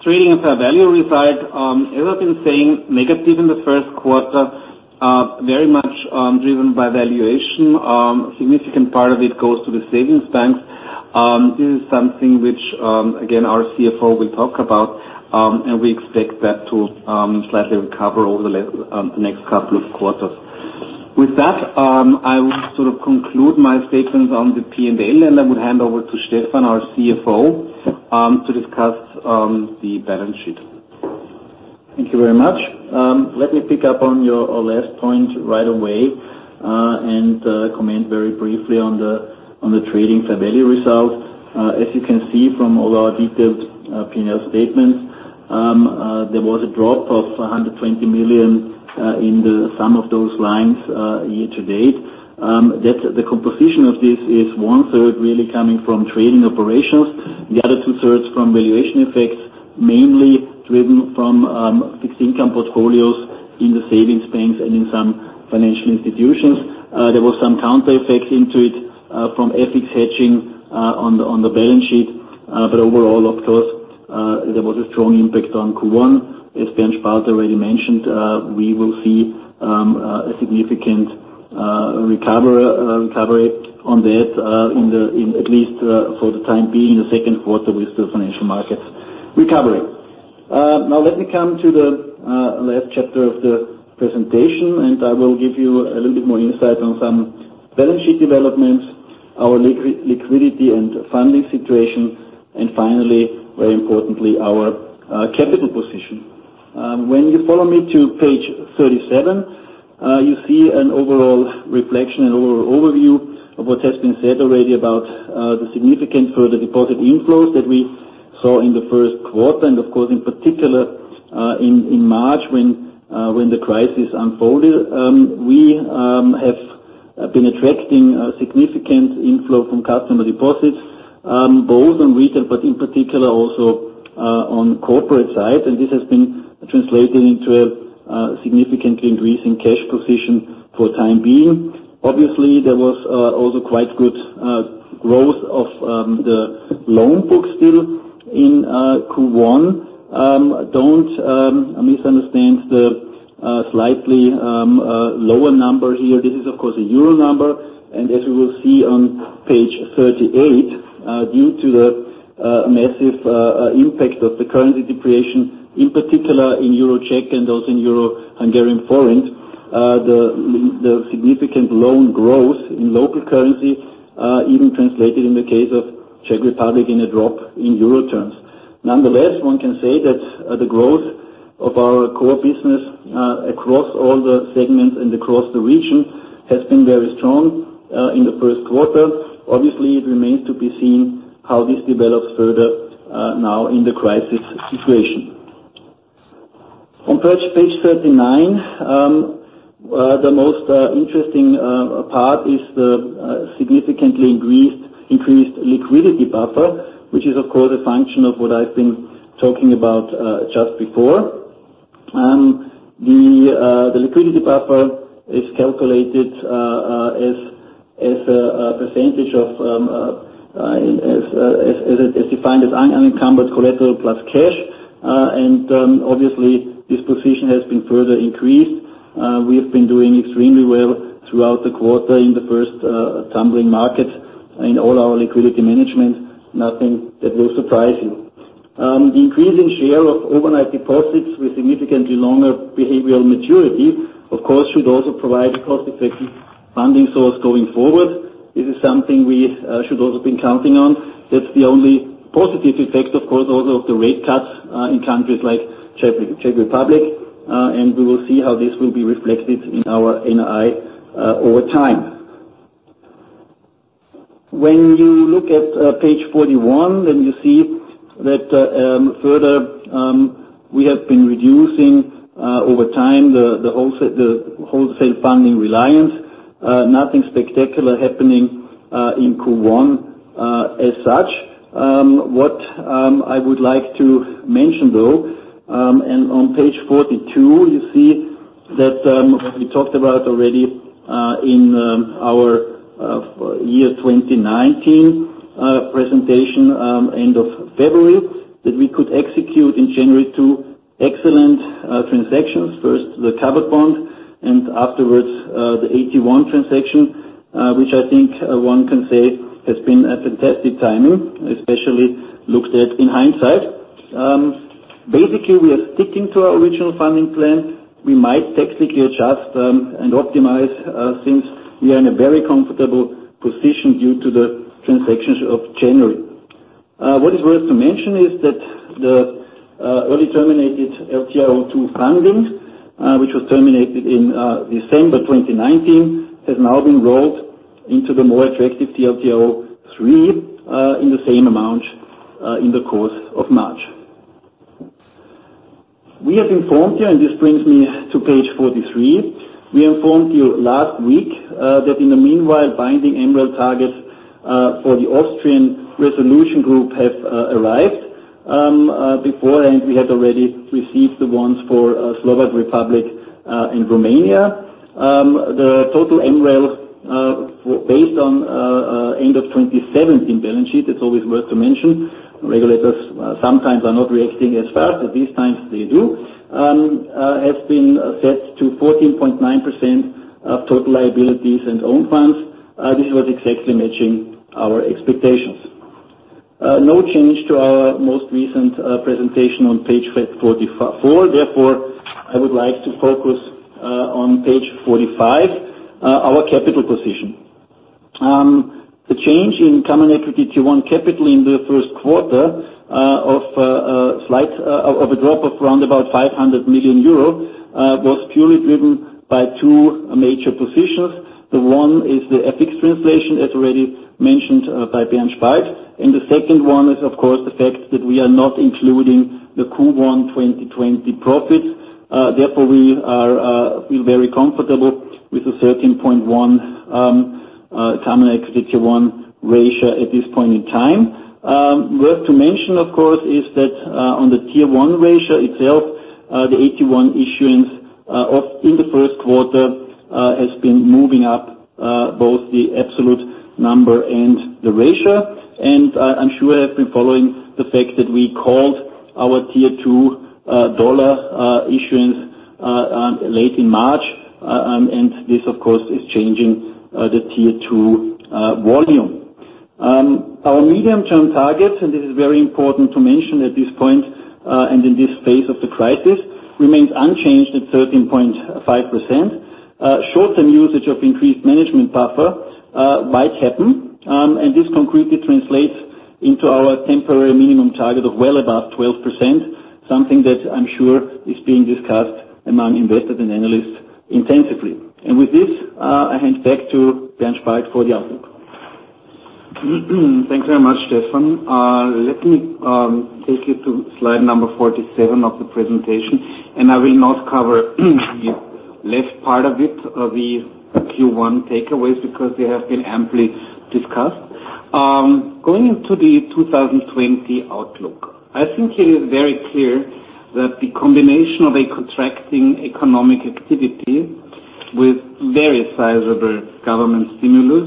trading and fair value result, as I've been saying, negative in the first quarter very much driven by valuation. A significant part of it goes to the savings banks. This is something which, again, our Chief Financial Officer will talk about, and we expect that to slightly recover over the next couple of quarters. With that, I will conclude my statements on the P&L, and I would hand over to Stefan, our Chief Financial Officer, to discuss the balance sheet.
Thank you very much. Let me pick up on your last point right away and comment very briefly on the trading fair value result. As you can see from all our detailed P&L statements there was a drop of 120 million in the sum of those lines year to date. The composition of this is one-third really coming from trading operations, the other two-thirds from valuation effects, mainly driven from fixed income portfolios in the savings banks and in some financial institutions. There was some counter effect into it from FX hedging on the balance sheet but overall, of course, there was a strong impact on Q1. As Bernd Spalt already mentioned, we will see a significant recovery on that at least for the time being, the second quarter with the financial markets recovering. Now let me come to the last chapter of the presentation, and I will give you a little bit more insight on some balance sheet developments, our liquidity and funding situation, and finally, very importantly, our capital position. When you follow me to page 37, you see an overall reflection and overall overview of what has been said already about the significant further deposit inflows that we saw in the first quarter. Of course, in particular, in March when the crisis unfolded. We have been attracting a significant inflow from customer deposits, both on retail, but in particular also on corporate side. This has been translated into a significant increase in cash position for time being. Obviously, there was also quite good growth of the loan book still in Q1. Don't misunderstand the slightly lower number here. This is of course a EUR number, and as we will see on page 38, due to the massive impact of the currency depreciation, in particular in Euro Czech and also in Euro Hungarian forint, the significant loan growth in local currency even translated in the case of Czech Republic in a drop in EUR terms. Nonetheless, one can say that the growth of our core business, across all the segments and across the region, has been very strong in the first quarter. Obviously, it remains to be seen how this develops further now in the crisis situation. On page 39, the most interesting part is the significantly increased liquidity buffer, which is of course a function of what I've been talking about just before. The liquidity buffer is calculated as a percentage of, as defined as unencumbered collateral plus cash. Obviously this position has been further increased. We have been doing extremely well throughout the quarter in the first tumbling market, in all our liquidity management, nothing that will surprise you. The increase in share of overnight deposits with significantly longer behavioral maturity, of course, should also provide a cost-effective funding source going forward. This is something we should also been counting on. That's the only positive effect, of course, also of the rate cuts, in countries like Czech Republic. We will see how this will be reflected in our NII over time. When you look at page 41, then you see that further we have been reducing over time the wholesale funding reliance. Nothing spectacular happening in Q1 as such. What I would like to mention though, and on page 42, you see that we talked about already in our year 2019 presentation, end of February, that we could execute in January two excellent transactions. First the covered bond and afterwards the AT1 transaction, which I think one can say has been a fantastic timing, especially looked at in hindsight. Basically, we are sticking to our original funding plan. We might technically adjust and optimize, since we are in a very comfortable position due to the transactions of January. What is worth to mention is that the early terminated TLTRO II funding, which was terminated in December 2019, has now been rolled into the more attractive TLTRO III, in the same amount, in the course of March. We have informed you, and this brings me to page 43. We informed you last week that in the meanwhile binding MREL targets for the Austrian resolution group have arrived. Beforehand, we had already received the ones for Slovak Republic and Romania. The total MREL based on end of 2027 in balance sheet, it is always worth to mention, regulators sometimes are not reacting as fast, but these times they do, has been set to 14.9% of total liabilities and own funds. This was exactly matching our expectations. No change to our most recent presentation on page 44. I would like to focus on page 45, our capital position. The change in Common Equity Tier 1 capital in the first quarter of a drop of around about 500 million euro, was purely driven by two major positions. The one is the FX translation, as already mentioned by Bernd Spalt. The second one is, of course, the fact that we are not including the Q1 2020 profit. We feel very comfortable with the 13.1 Common Equity Tier 1 ratio at this point in time. Worth to mention, of course, is that on the Tier 1 ratio itself, the AT1 issuance in the first quarter has been moving up both the absolute number and the ratio. I'm sure you have been following the fact that we called our Tier 2 dollar issuance late in March. This of course is changing the Tier 2 volume. Our medium-term targets, this is very important to mention at this point and in this phase of the crisis, remains unchanged at 13.5%. Short-term usage of increased management buffer might happen. This concretely translates into our temporary minimum target of well above 12%, something that I'm sure is being discussed among investors and analysts intensively. With this, I hand back to Bernd Spalt for the outlook.
Thanks very much, Stefan. Let me take you to slide number 47 of the presentation, and I will not cover the left part of it, the Q1 takeaways, because they have been amply discussed. Going into the 2020 outlook, I think it is very clear that the combination of a contracting economic activity with very sizable government stimulus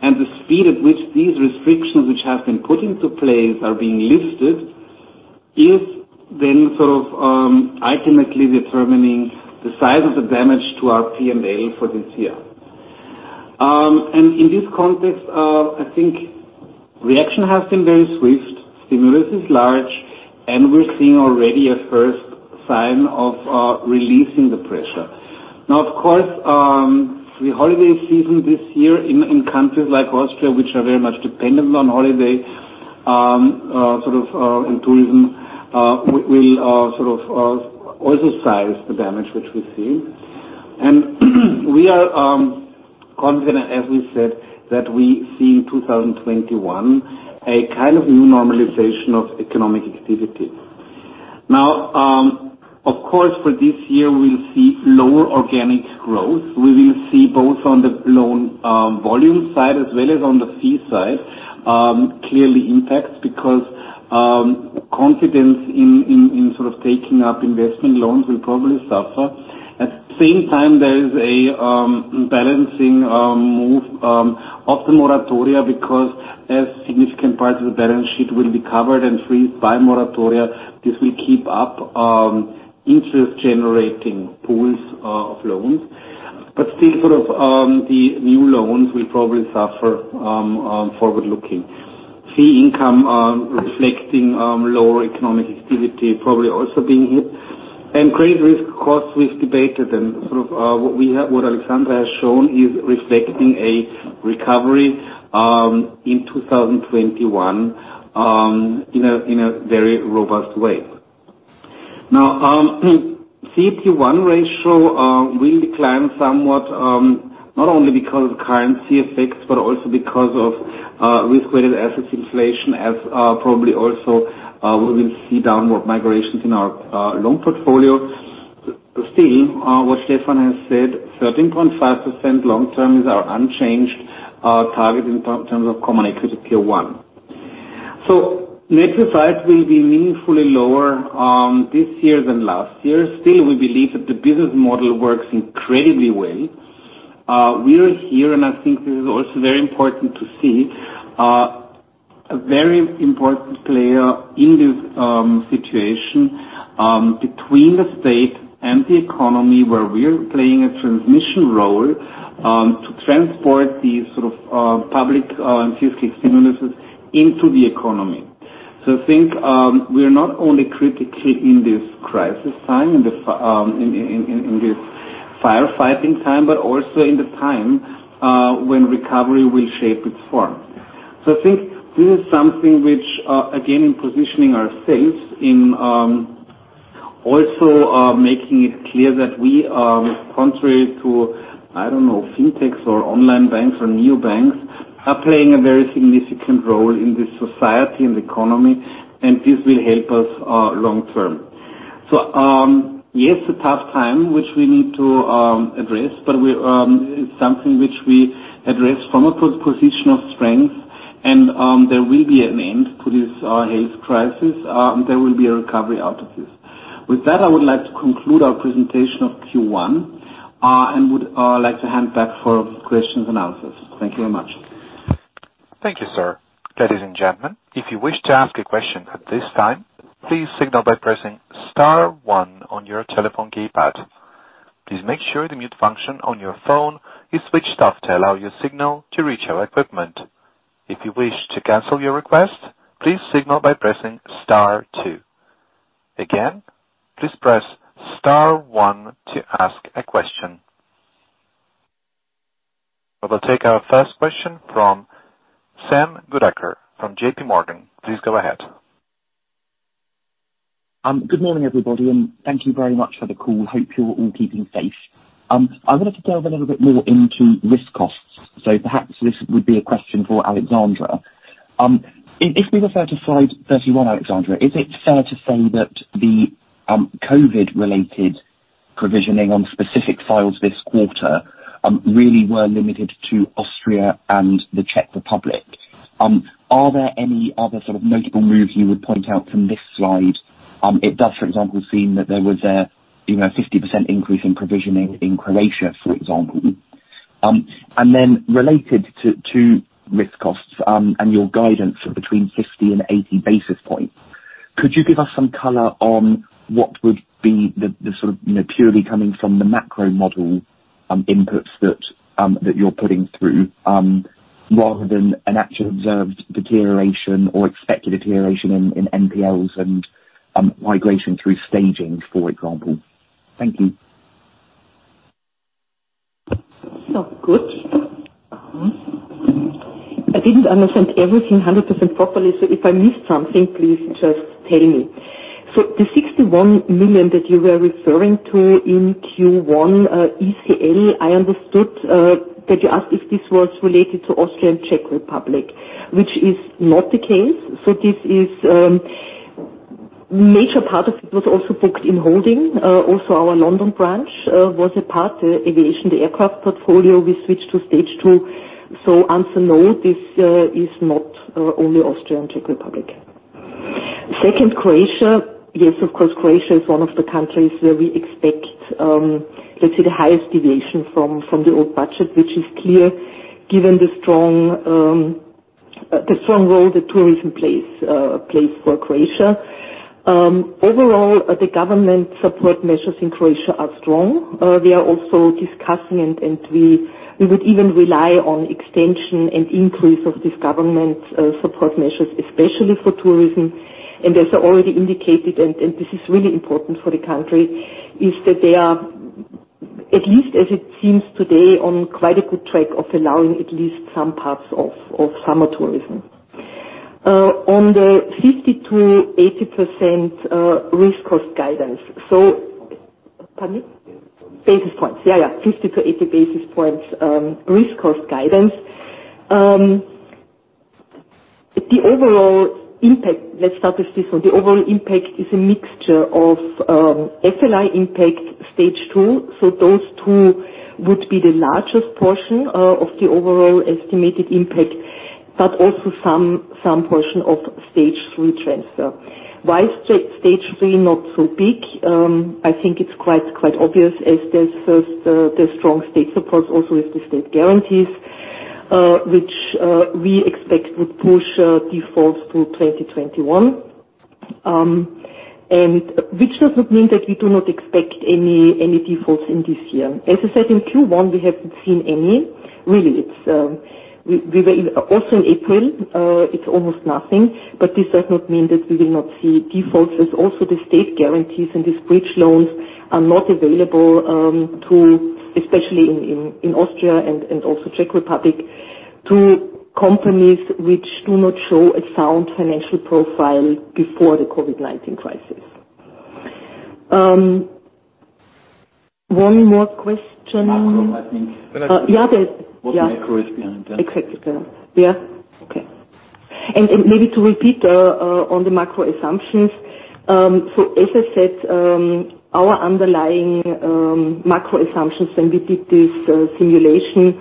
and the speed at which these restrictions which have been put into place are being lifted is then ultimately determining the size of the damage to our P&L for this year. In this context, I think reaction has been very swift, stimulus is large, and we're seeing already a first sign of releasing the pressure. Now, of course, the holiday season this year in countries like Austria, which are very much dependent on holiday, sort of in tourism, will also size the damage which we see. We are confident, as we said, that we see in 2021, a kind of new normalization of economic activity. Of course, for this year, we'll see lower organic growth. We will see both on the loan volume side as well as on the fee side clearly impacts because confidence in taking up investment loans will probably suffer. At the same time, there is a balancing move of the moratoria because as significant parts of the balance sheet will be covered and freed by moratoria, this will keep up interest-generating pools of loans. Still, the new loans will probably suffer forward-looking. Fee income reflecting lower economic activity probably also being hit. Credit risk costs, we've debated and what Alexandra has shown is reflecting a recovery in 2021 in a very robust way. CET1 ratio will decline somewhat, not only because of currency effects, but also because of risk-weighted assets inflation as probably also we will see downward migrations in our loan portfolio. What Stefan has said, 13.5% long-term is our unchanged target in terms of Common Equity Tier 1. Net risk costs will be meaningfully lower this year than last year. We believe that the business model works incredibly well. We are here, and I think this is also very important to see, a very important player in this situation between the state and the economy, where we are playing a transmission role to transport these public and fiscal stimuluses into the economy. I think we are not only critically in this crisis time, in this firefighting time, but also in the time when recovery will shape its form. I think this is something which, again, in positioning ourselves in also making it clear that we are, contrary to, I don't know, fintechs or online banks or neobanks, are playing a very significant role in this society and the economy, and this will help us long-term. Yes, a tough time, which we need to address, but it's something which we address from a position of strength. There will be an end to this health crisis. There will be a recovery out of this. With that, I would like to conclude our presentation of Q1, and would like to hand back for questions and answers. Thank you very much.
Thank you, sir. Ladies and gentlemen, if you wish to ask a question at this time, please signal by pressing star one on your telephone keypad. Please make sure the mute function on your phone is switched off to allow your signal to reach our equipment. If you wish to cancel your request, please signal by pressing star two. Again, please press star one to ask a question. We will take our first question from Samuel Goodacre from J.P. Morgan. Please go ahead.
Good morning, everybody. Thank you very much for the call. Hope you're all keeping safe. I wanted to delve a little bit more into risk costs. Perhaps this would be a question for Alexandra. If we refer to slide 31, Alexandra, is it fair to say that the COVID-related provisioning on specific files this quarter really were limited to Austria and the Czech Republic? Are there any other sort of notable moves you would point out from this slide? It does, for example, seem that there was a 50% increase in provisioning in Croatia, for example. Related to risk costs and your guidance of between 50 and 80 basis points, could you give us some color on what would be the sort of purely coming from the macro model inputs that you're putting through rather than an actual observed deterioration or expected deterioration in NPLs and migration through staging, for example? Thank you.
Good. I didn't understand everything 100% properly, if I missed something, please just tell me. The 61 million that you were referring to in Q1 ECL, I understood that you asked if this was related to Austria and Czech Republic, which is not the case. Major part of it was also booked in holding. Also our London branch was a part, aviation, the aircraft portfolio we switched to Stage 2. Answer no, this is not only Austria and Czech Republic. Second, Croatia. Yes, of course, Croatia is one of the countries where we expect, let's say, the highest deviation from the old budget, which is clear given the strong role that tourism plays for Croatia. Overall, the government support measures in Croatia are strong. We are also discussing it, and we would even rely on extension and increase of these government support measures, especially for tourism. As I already indicated, and this is really important for the country, is that they are, at least as it seems today, on quite a good track of allowing at least some parts of summer tourism. On the 50%-80% risk cost guidance. Pardon me? Basis points. Basis points. Yeah. 50-80 basis points risk cost guidance. Let's start with this one. The overall impact is a mixture of FLI impact Stage 2. Those two would be the largest portion of the overall estimated impact, but also some portion of Stage 3 transfer. Why is Stage 3 not so big? I think it's quite obvious as there's first the strong state support also with the state guarantees, which we expect would push defaults to 2021, which does not mean that we do not expect any defaults in this year. As I said, in Q1, we haven't seen any, really. In April, it's almost nothing, but this does not mean that we will not see defaults, as also the state guarantees and these bridge loans are not available, especially in Austria and also Czech Republic, to companies which do not show a sound financial profile before the COVID-19 crisis. One more question.
Macro, I think.
Yeah.
What the macro is behind that?
Exactly. Yeah. Okay. Maybe to repeat on the macro assumptions. As I said, our underlying macro assumptions when we did this simulation,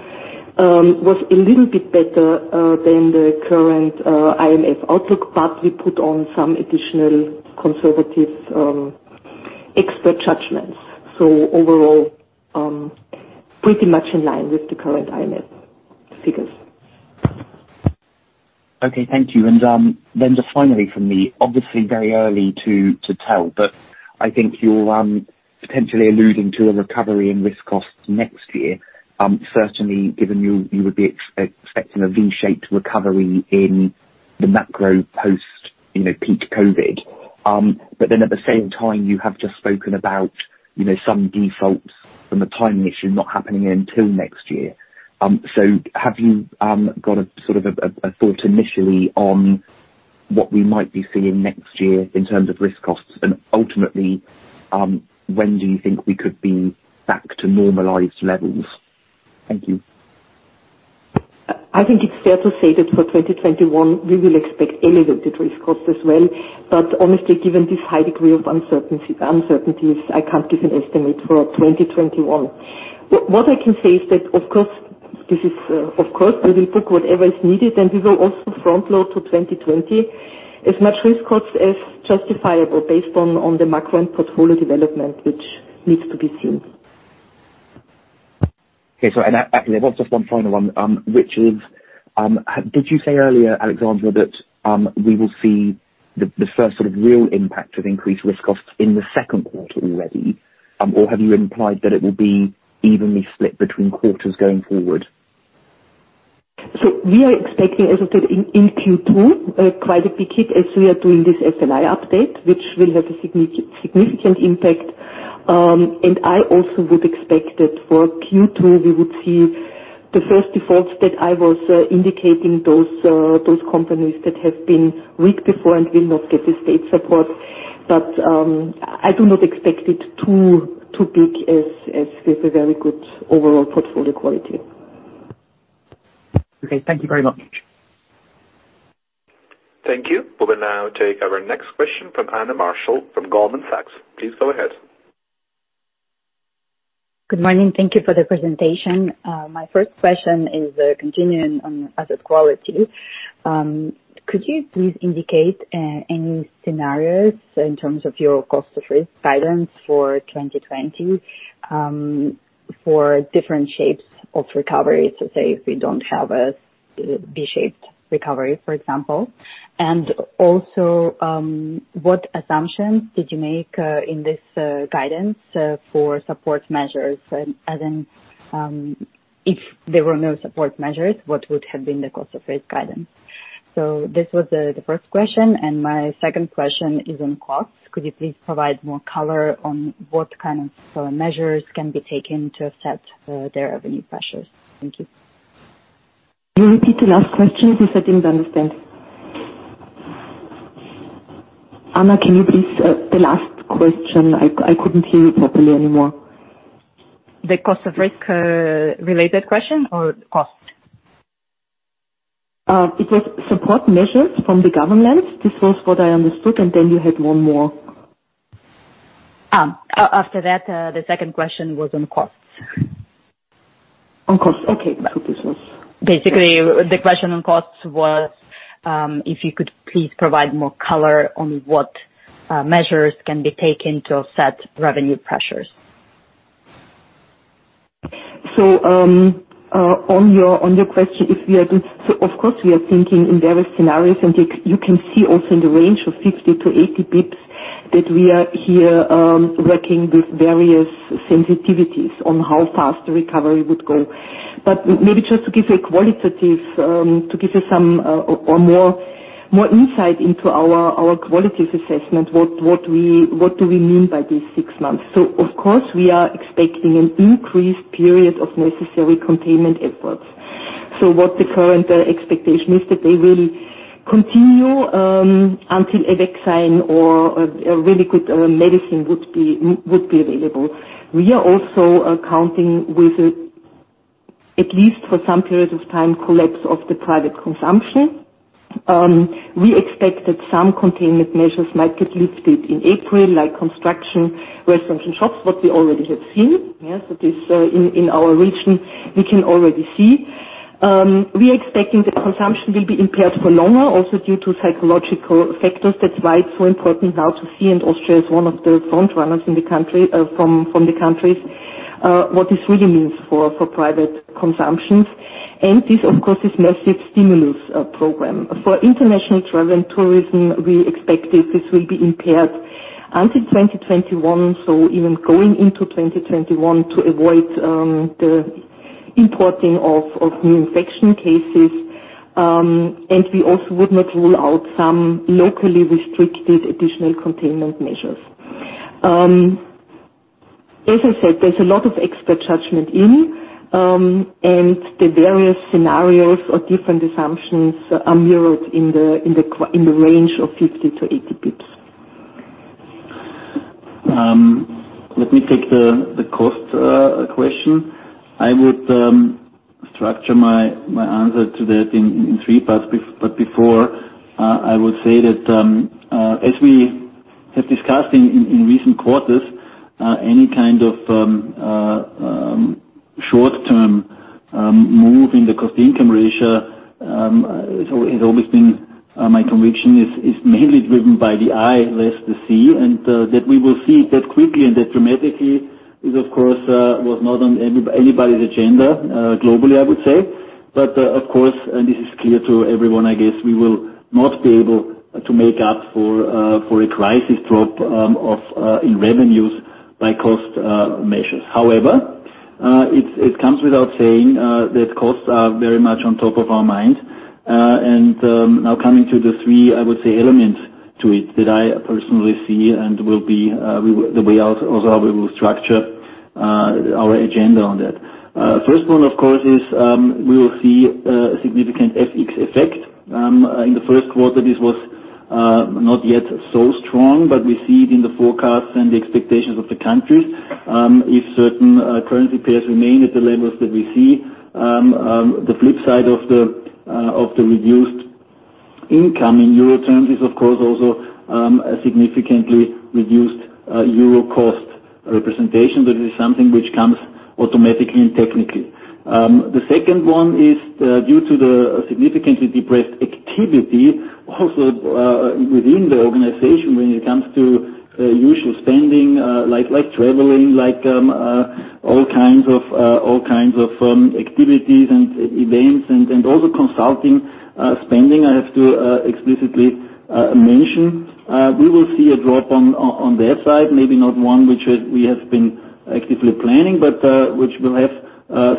was a little bit better than the current IMF outlook, but we put on some additional conservative expert judgments. Overall, pretty much in line with the current IMF figures.
Okay, thank you. Just finally from me, obviously very early to tell, I think you're potentially alluding to a recovery in risk costs next year. Certainly, given you would be expecting a V-shaped recovery in the macro post peak COVID. At the same time, you have just spoken about some defaults from a timing issue not happening until next year. Have you got a thought initially on what we might be seeing next year in terms of risk costs, and ultimately, when do you think we could be back to normalized levels? Thank you.
I think it's fair to say that for 2021, we will expect elevated risk costs as well. Honestly, given this high degree of uncertainties, I can't give an estimate for 2021. What I can say is that, of course, we will book whatever is needed, and we will also front load to 2020 as much risk costs as justifiable based on the macro and portfolio development which needs to be seen.
Okay. Actually, there was just one final one, which is, did you say earlier, Alexandra, that we will see the first real impact of increased risk costs in the second quarter already? Or have you implied that it will be evenly split between quarters going forward?
We are expecting, as I said, in Q2, quite a bit hit as we are doing this FLI update, which will have a significant impact. I also would expect that for Q2, we would see the first defaults that I was indicating, those companies that have been weak before and will not get the state support. I do not expect it too big as we have a very good overall portfolio quality.
Okay. Thank you very much.
Thank you. We'll now take our next question from Anna Marshall from Goldman Sachs. Please go ahead.
Good morning. Thank you for the presentation. My first question is continuing on asset quality. Could you please indicate any scenarios in terms of your cost of risk guidance for 2020, for different shapes of recovery? Say if we don't have a V-shaped recovery, for example. What assumptions did you make in this guidance for support measures? As in, if there were no support measures, what would have been the cost of risk guidance? This was the first question, and my second question is on costs. Could you please provide more color on what kind of support measures can be taken to offset their revenue pressures? Thank you.
Can you repeat the last question, please? I didn't understand. Anna, can you please, the last question. I couldn't hear you properly anymore.
The cost of risk-related question or cost?
It was support measures from the government. This was what I understood. You had one more.
After that, the second question was on costs.
On costs. Okay.
Basically, the question on costs was, if you could please provide more color on what measures can be taken to offset revenue pressures.
On your question, of course, we are thinking in various scenarios, and you can see also in the range of 50-80 basis points that we are here working with various sensitivities on how fast the recovery would go. Maybe just to give you some more insight into our qualitative assessment, what do we mean by these six months? Of course, we are expecting an increased period of necessary containment efforts. What the current expectation is that they will continue until a vaccine or a really good medicine would be available. We are also accounting with, at least for some period of time, collapse of the private consumption. We expect that some containment measures might get lifted in April, like construction, restaurants, and shops, what we already have seen. Yes, that is in our region, we can already see. We are expecting that consumption will be impaired for longer, also due to psychological factors. That's why it's so important now to see, and Austria is one of the front runners from the countries, what this really means for private consumptions. This, of course, is massive stimulus program. For international travel and tourism, we expect this will be impaired until 2021, so even going into 2021 to avoid the importing of new infection cases, and we also would not rule out some locally restricted additional containment measures. As I said, there's a lot of expert judgment in, and the various scenarios or different assumptions are mirrored in the range of 50 to 80 basis points.
Let me take the cost question. I would structure my answer to that in three parts. Before, I would say that as we have discussed in recent quarters, any kind of short-term move in the Cost-Income Ratio has always been my conviction is mainly driven by the I less the C, and that we will see it that quickly and that dramatically is, of course, was not on anybody's agenda globally, I would say. Of course, and this is clear to everyone, I guess, we will not be able to make up for a crisis drop in revenues by cost measures. However, it comes without saying that costs are very much on top of our minds. Now coming to the three, I would say, elements to it that I personally see and will be the way also how we will structure our agenda on that. First one, of course, is we will see a significant FX effect. In the first quarter, this was not yet so strong, but we see it in the forecasts and the expectations of the countries. If certain currency pairs remain at the levels that we see, the flip side of the reduced income in Euro terms is, of course, also a significantly reduced Euro cost representation. That is something which comes automatically and technically. The second one is due to the significantly depressed activity also within the organization when it comes to usual spending like traveling, all kinds of activities and events, and also consulting spending, I have to explicitly mention. We will see a drop on their side, maybe not one which we have been actively planning, but which will have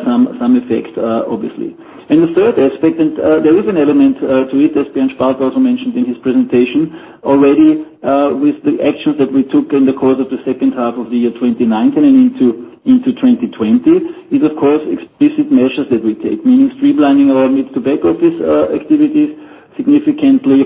some effects, obviously. The third aspect, and there is an element to it, as Bernd Spalt also mentioned in his presentation already with the actions that we took in the course of the second half of the year 2019 and into 2020, is of course explicit measures that we take, meaning streamlining our mid to back office activities, significantly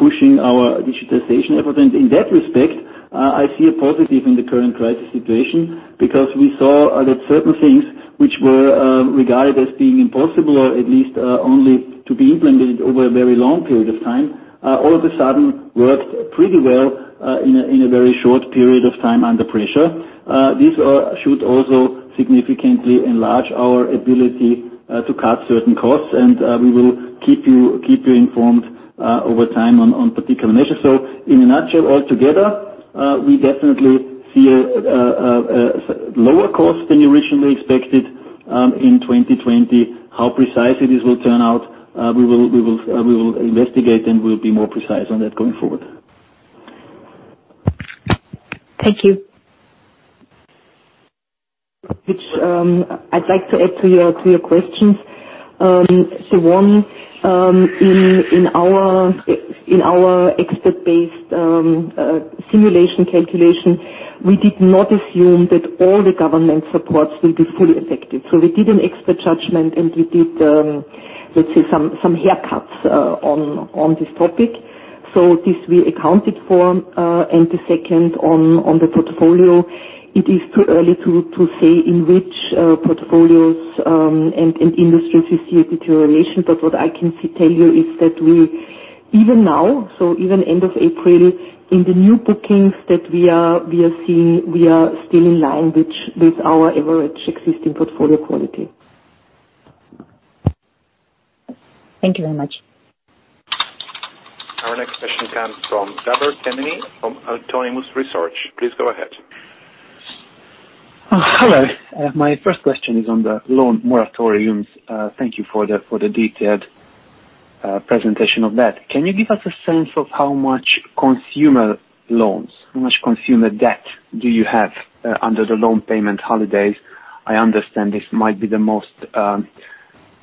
pushing our digitization effort. In that respect, I see a positive in the current crisis situation because we saw that certain things which were regarded as being impossible or at least only to be implemented over a very long period of time, all of a sudden worked pretty well in a very short period of time under pressure. This should also significantly enlarge our ability to cut certain costs, and we will keep you informed over time on particular measures. In a nutshell, altogether, we definitely see a lower cost than originally expected in 2020. How precise it is will turn out, we will investigate, and we'll be more precise on that going forward.
Thank you.
Which I'd like to add to your questions. One, in our expert-based simulation calculation, we did not assume that all the government supports will be fully effective. We did an expert judgment and we did some haircuts on this topic. This we accounted for. The second, on the portfolio, it is too early to say in which portfolios and industries we see a deterioration. What I can tell you is that we, even now, so even end of April, in the new bookings that we are seeing, we are still in line with our average existing portfolio quality.
Thank you very much.
Our next question comes from Gabor Kemeny from Autonomous Research. Please go ahead.
Hello. My first question is on the loan moratoriums. Thank you for the detailed presentation of that. Can you give us a sense of how much consumer loans, how much consumer debt do you have under the loan payment holidays? I understand this might be the most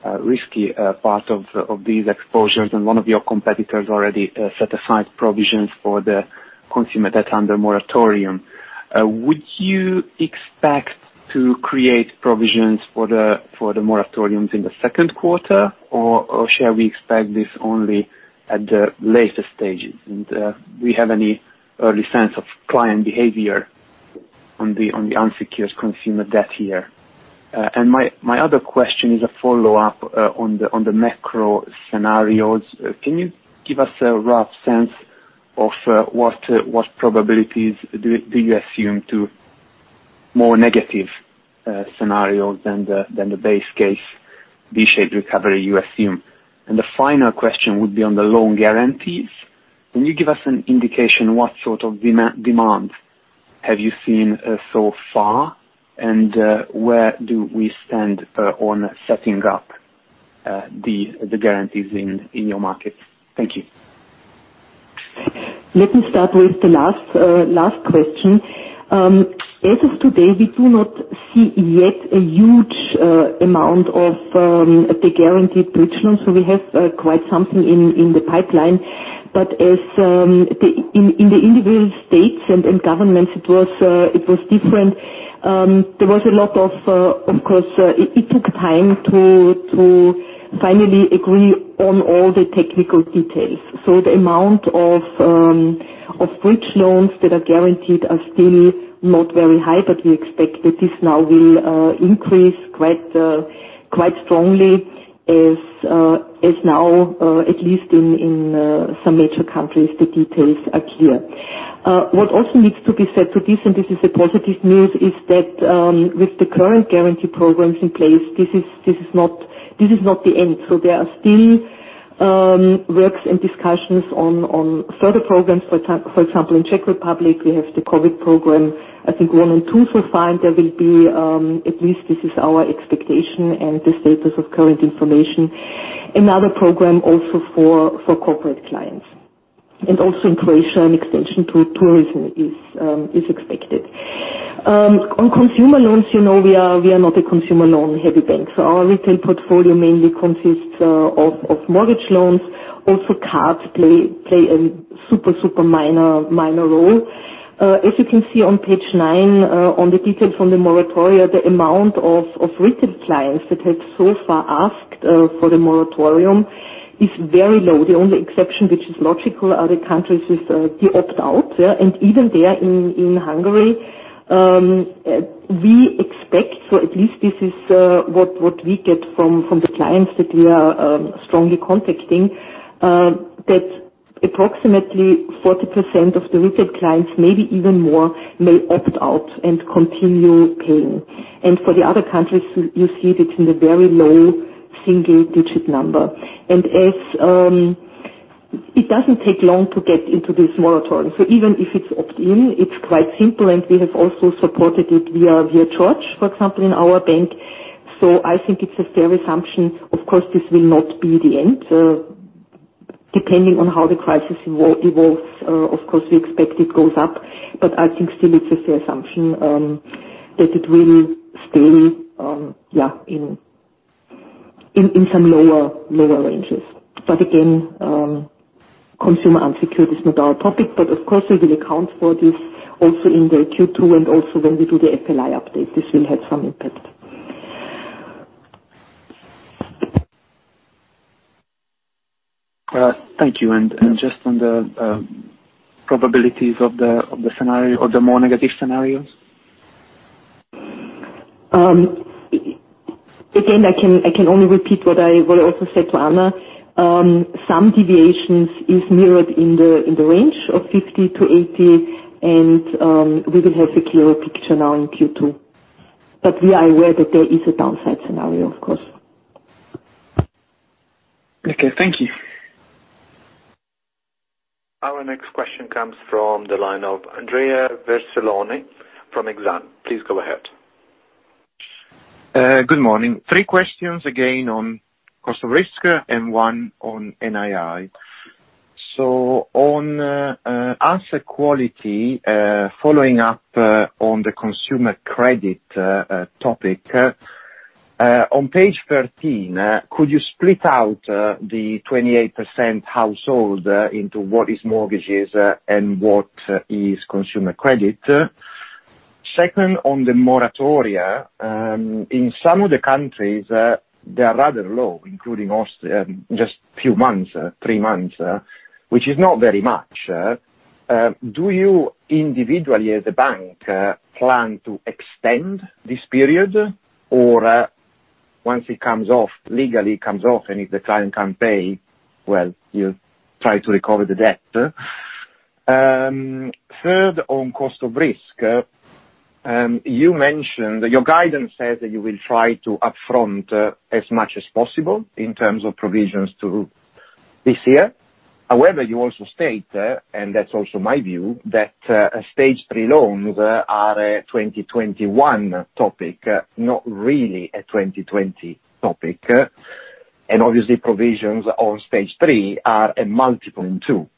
risky part of these exposures, and one of your competitors already set aside provisions for the consumer debt under moratorium. Would you expect to create provisions for the moratoriums in the second quarter, or shall we expect this only at the later stages? Do we have any early sense of client behavior on the unsecured consumer debt here? My other question is a follow-up on the macro scenarios. Can you give us a rough sense of what probabilities do you assume to more negative scenarios than the base case V-shaped recovery you assume? The final question would be on the loan guarantees. Can you give us an indication what sort of demand have you seen so far, and where do we stand on setting up the guarantees in your markets? Thank you.
Let me start with the last question. As of today, we do not see yet a huge amount of the guaranteed bridge loans. We have quite something in the pipeline. In the individual states and in governments, it was different. It took time to finally agree on all the technical details. The amount of bridge loans that are guaranteed are still not very high, but we expect that this now will increase quite strongly, as now at least in some major countries, the details are clear. What also needs to be said to this, and this is a positive news, is that with the current guarantee programs in place, this is not the end. There are still works and discussions on further programs. For example, in Czech Republic, we have the COVID program. I think Stage 1 and Stage 2, so far, there will be, at least this is our expectation and the status of current information, another program also for corporate clients. Also in Croatia, an extension to tourism is expected. On consumer loans, we are not a consumer loan-heavy bank, so our retail portfolio mainly consists of mortgage loans. Also cards play a super minor role. As you can see on page nine, on the details on the moratorium, the amount of retail clients that have so far asked for the moratorium is very low. The only exception, which is logical, are the countries with the opt-out. Even there in Hungary, we expect, so at least this is what we get from the clients that we are strongly contacting, that approximately 40% of the retail clients, maybe even more, may opt out and continue paying. For the other countries, you see that in the very low single-digit number. Even if it's opt-in, it's quite simple, and we have also supported it via George, for example, in our bank. I think it's a fair assumption. Of course, this will not be the end. Depending on how the crisis evolves, of course, we expect it goes up, but I think still it's a fair assumption that it will stay in some lower ranges. Again, consumer unsecured is not our topic, but of course, we will account for this also in the Q2 and also when we do the FLI update. This will have some impact.
Thank you. Just on the probabilities of the more negative scenarios.
Again, I can only repeat what I also said to Anna. Some deviations is mirrored in the range of 50 to 80, and we will have a clearer picture now in Q2. We are aware that there is a downside scenario, of course.
Okay. Thank you.
Our next question comes from the line of Andrea Vercellone from Exane. Please go ahead.
Good morning. Three questions again on cost of risk and one on NII. On asset quality, following up on the consumer credit topic. On page 13, could you split out the 28% household into what is mortgages and what is consumer credit? Second, on the moratoria, in some of the countries, they are rather low, including Austria, just few months, three months, which is not very much. Do you individually, as a bank, plan to extend this period? Once it legally comes off, and if the client can't pay, well, you try to recover the debt. Third, on cost of risk, your guidance says that you will try to upfront as much as possible in terms of provisions to this year. You also state, and that's also my view, that Stage 3 loans are a 2021 topic, not really a 2020 topic, and obviously, provisions on Stage 3 are a multiple in two.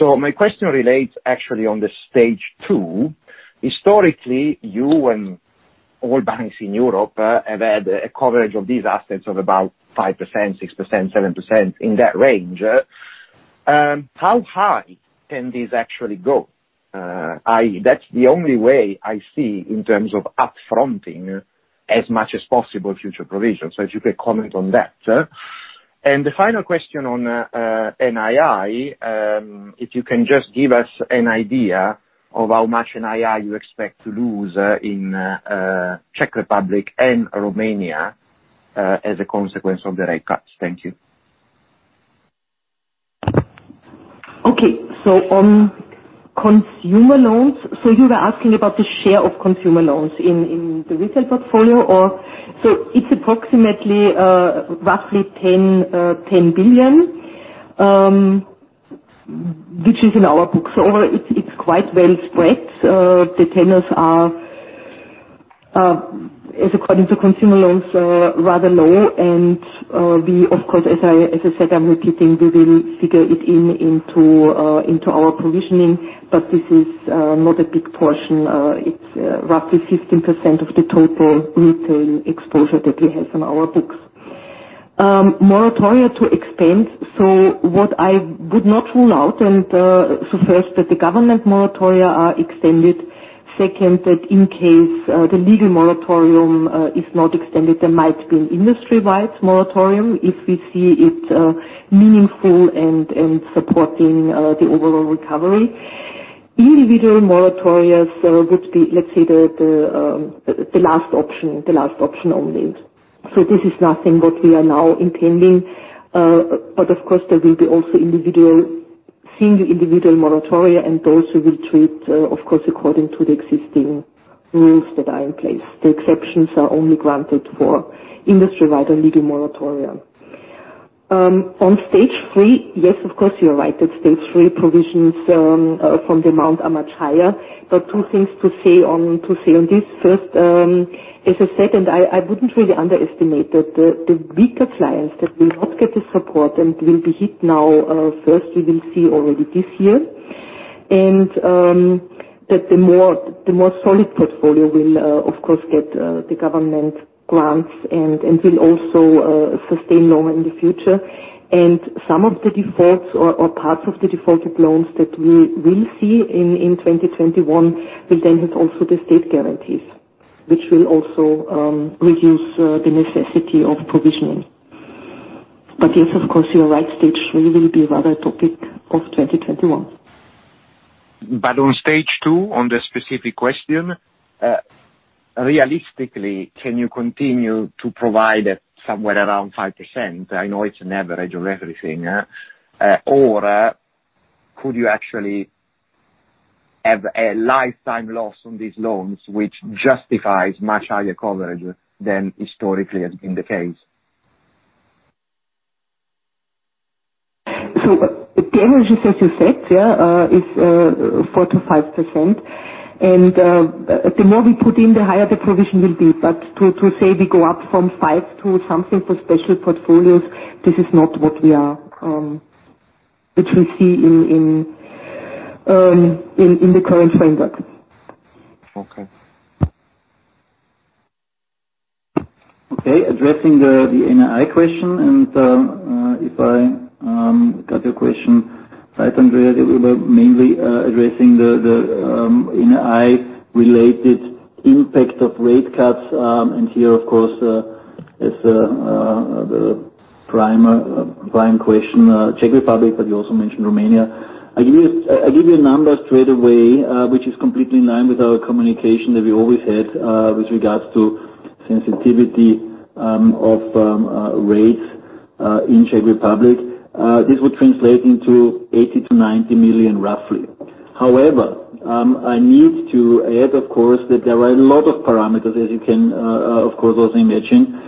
My question relates actually on the Stage 2. Historically, you and all banks in Europe have had a coverage of these assets of about 5%, 6%, 7%, in that range. How high can this actually go? I.e., that's the only way I see in terms of up-fronting as much as possible future provisions. If you could comment on that. The final question on NII, if you can just give us an idea of how much NII you expect to lose in Czech Republic and Romania as a consequence of the rate cuts. Thank you.
Okay. On consumer loans, so you were asking about the share of consumer loans in the retail portfolio, or? It's approximately roughly EUR 10 billion, which is in our books. It's quite well spread. The tenures are, as according to consumer loans, rather low, and we of course, as I said, I'm repeating, we will figure it into our provisioning, but this is not a big portion. It's roughly 15% of the total retail exposure that we have in our books. Moratoria to extend. What I would not rule out, first, that the government moratoria are extended. Second, that in case the legal moratorium is not extended, there might be an industry-wide moratorium if we see it meaningful and supporting the overall recovery. Individual moratoria would be, let's say, the last option only. This is nothing what we are now intending. Of course, there will be also single-individual moratoria, and those we will treat, of course, according to the existing rules that are in place. The exceptions are only granted for industry-wide and legal moratoria. On Stage 3, yes, of course, you're right, that Stage 3 provisions from the amount are much higher. Two things to say on this. First, as I said, and I wouldn't really underestimate that the weaker clients that will not get the support and will be hit now first, we will see already this year. That the more solid portfolio will, of course, get the government grants and will also sustain more in the future. Some of the defaults or parts of the defaulted loans that we will see in 2021 will then have also the state guarantees, which will also reduce the necessity of provisioning. Yes, of course, you're right. Stage 3 will be rather topic of 2021.
On Stage 2, on the specific question, realistically, can you continue to provide somewhere around 5%? I know it's an average of everything. Could you actually have a lifetime loss on these loans which justifies much higher coverage than historically has been the case?
The average, as you said, yeah, is 4%-5%. The more we put in, the higher the provision will be. To say we go up from five to something for special portfolios, this is not what we see in the current framework.
Okay.
Okay, addressing the NII question. If I got your question right, Andrea, we were mainly addressing the NII-related impact of rate cuts. Here, of course, is the prime question, Czech Republic, but you also mentioned Romania. I'll give you a number straight away, which is completely in line with our communication that we always had with regards to sensitivity of rates in Czech Republic. This would translate into 80-90 million, roughly. However, I need to add, of course, that there are a lot of parameters, as you can, of course, also imagine,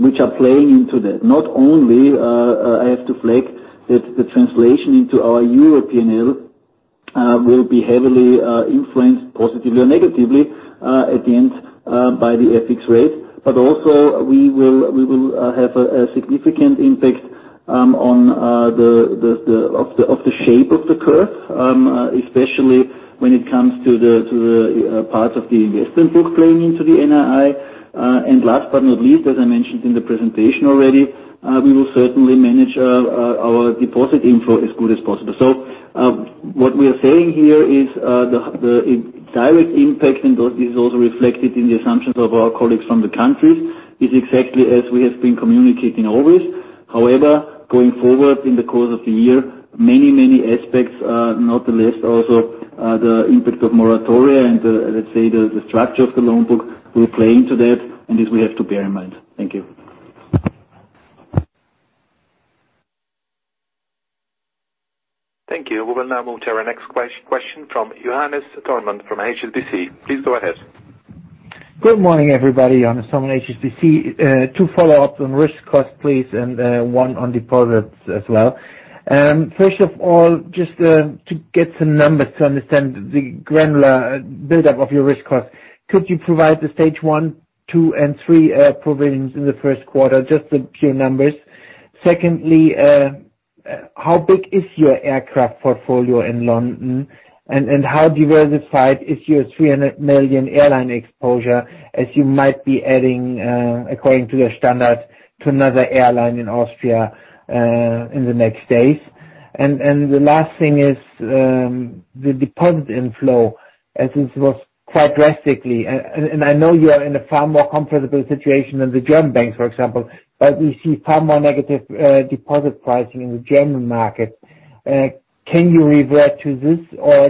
which are playing into that. Not only I have to flag that the translation into our Euro P&L will be heavily influenced positively or negatively at the end by the FX rate. Also we will have a significant impact of the shape of the curve, especially when it comes to the parts of the investment book playing into the NII. Last but not least, as I mentioned in the presentation already, we will certainly manage our deposit inflow as good as possible. What we are saying here is the direct impact, and this is also reflected in the assumptions of our colleagues from the countries, is exactly as we have been communicating always. However, going forward in the course of the year, many aspects, not the least also the impact of moratoria and, let's say, the structure of the loan book will play into that, and this we have to bear in mind. Thank you.
Thank you. We will now move to our next question from Johannes Thormann from HSBC. Please go ahead.
Good morning, everybody. Johannes Thormann, HSBC. 2 follow-ups on risk costs, please, and one on deposits as well. First of all, just to get some numbers to understand the granular build-up of your risk costs, could you provide the Stage 1, 2, and 3 provisions in the first quarter? Just the pure numbers. Secondly, how big is your aircraft portfolio in London? How diversified is your 300 million airline exposure as you might be adding, according to your standards, to another airline in Austria in the next days? The last thing is the deposit inflow, as this was quite drastically. I know you are in a far more comfortable situation than the German bank, for example, we see far more negative deposit pricing in the German market. Can you revert to this,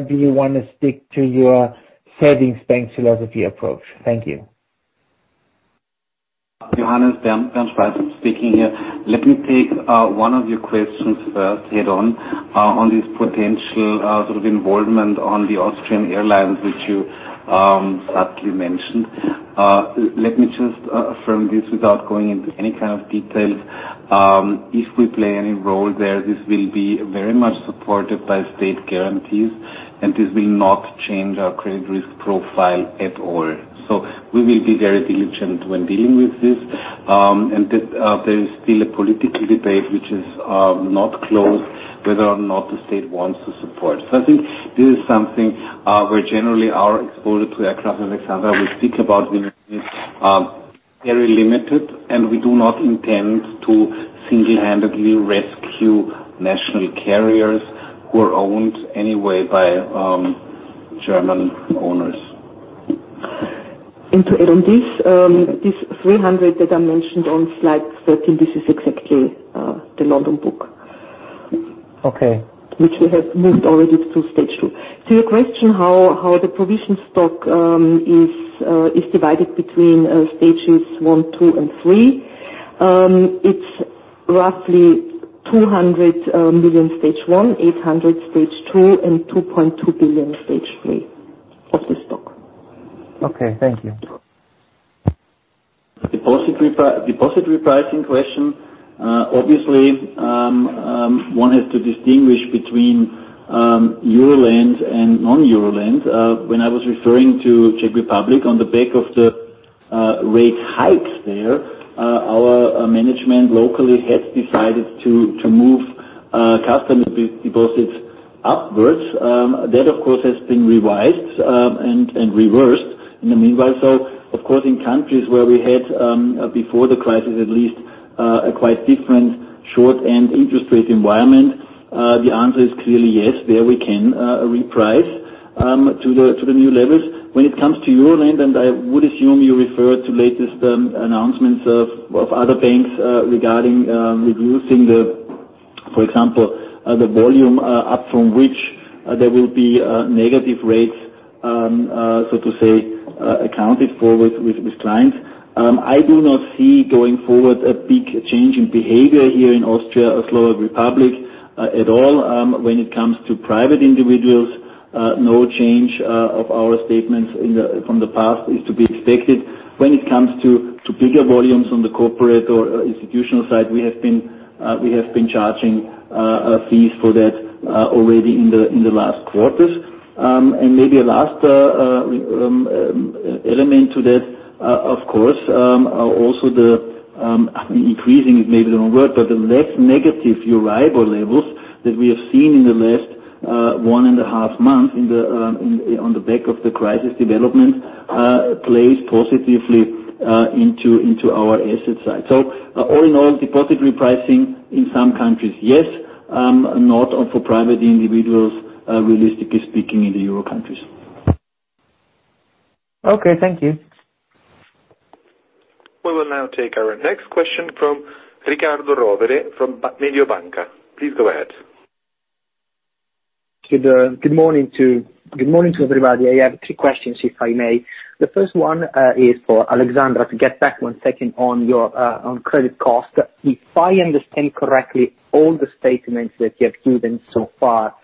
do you want to stick to your savings bank philosophy approach? Thank you.
Johannes, Bernd Spalt speaking here. Let me take one of your questions first head on this potential sort of involvement on the Austrian Airlines, which you subtly mentioned. Let me just affirm this without going into any kind of details. If we play any role there, this will be very much supported by state guarantees, and this will not change our credit risk profile at all. We will be very diligent when dealing with this, and there is still a political debate, which is not closed, whether or not the state wants to support. I think this is something where generally our exposure to aircraft and et cetera, we speak about being very limited, and we do not intend to single-handedly rescue national carriers who are owned anyway by German owners.
To add on this 300 that I mentioned on slide 13, this is exactly the London book.
Okay.
Which we have moved already to Stage 2. To your question, how the provision stock is divided between Stages 1, 2, and 3. It's roughly 200 million Stage 1, 800 Stage 2, and 2.2 billion Stage 3 of the stock.
Okay, thank you.
Deposit repricing question. Obviously, one has to distinguish between Euroland and non-Euroland. When I was referring to Czech Republic on the back of the rate hikes there, our management locally has decided to move customer deposits upwards. That, of course, has been revised and reversed in the meanwhile. Of course, in countries where we had, before the crisis at least, a quite different short-end interest rate environment, the answer is clearly yes, there we can reprice to the new levels. When it comes to Euroland, and I would assume you refer to latest announcements of other banks regarding reducing the, for example, the volume up from which there will be negative rates, so to say, accounted for with clients. I do not see going forward a big change in behavior here in Austria or Slovak Republic at all when it comes to private individuals. No change of our statements from the past is to be expected. When it comes to bigger volumes on the corporate or institutional side, we have been charging fees for that already in the last quarters. Maybe a last element to that, of course, also the, increasing is maybe the wrong word, but the less negative EURIBOR levels that we have seen in the last one and a half months on the back of the crisis development plays positively into our asset side. All in all, deposit repricing in some countries, yes, not for private individuals, realistically speaking, in the Euro countries.
Okay, thank you.
We will now take our next question from Riccardo Rovere, from Mediobanca. Please go ahead.
Good morning to everybody. I have three questions, if I may. The first one is for Alexandra to get back one second on credit cost. If I understand correctly, all the statements that you have given so far,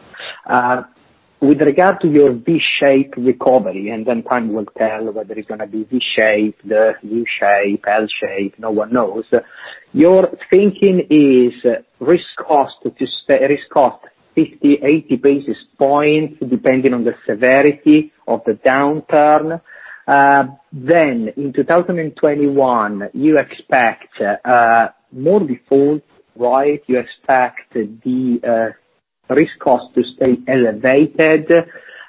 with regard to your V-shaped recovery, and then time will tell whether it's going to be V-shape, the U-shape, L-shape, no one knows. Your thinking is risk cost 50, 80 basis points, depending on the severity of the downturn. In 2021, you expect more defaults, right? You expect the risk cost to stay elevated,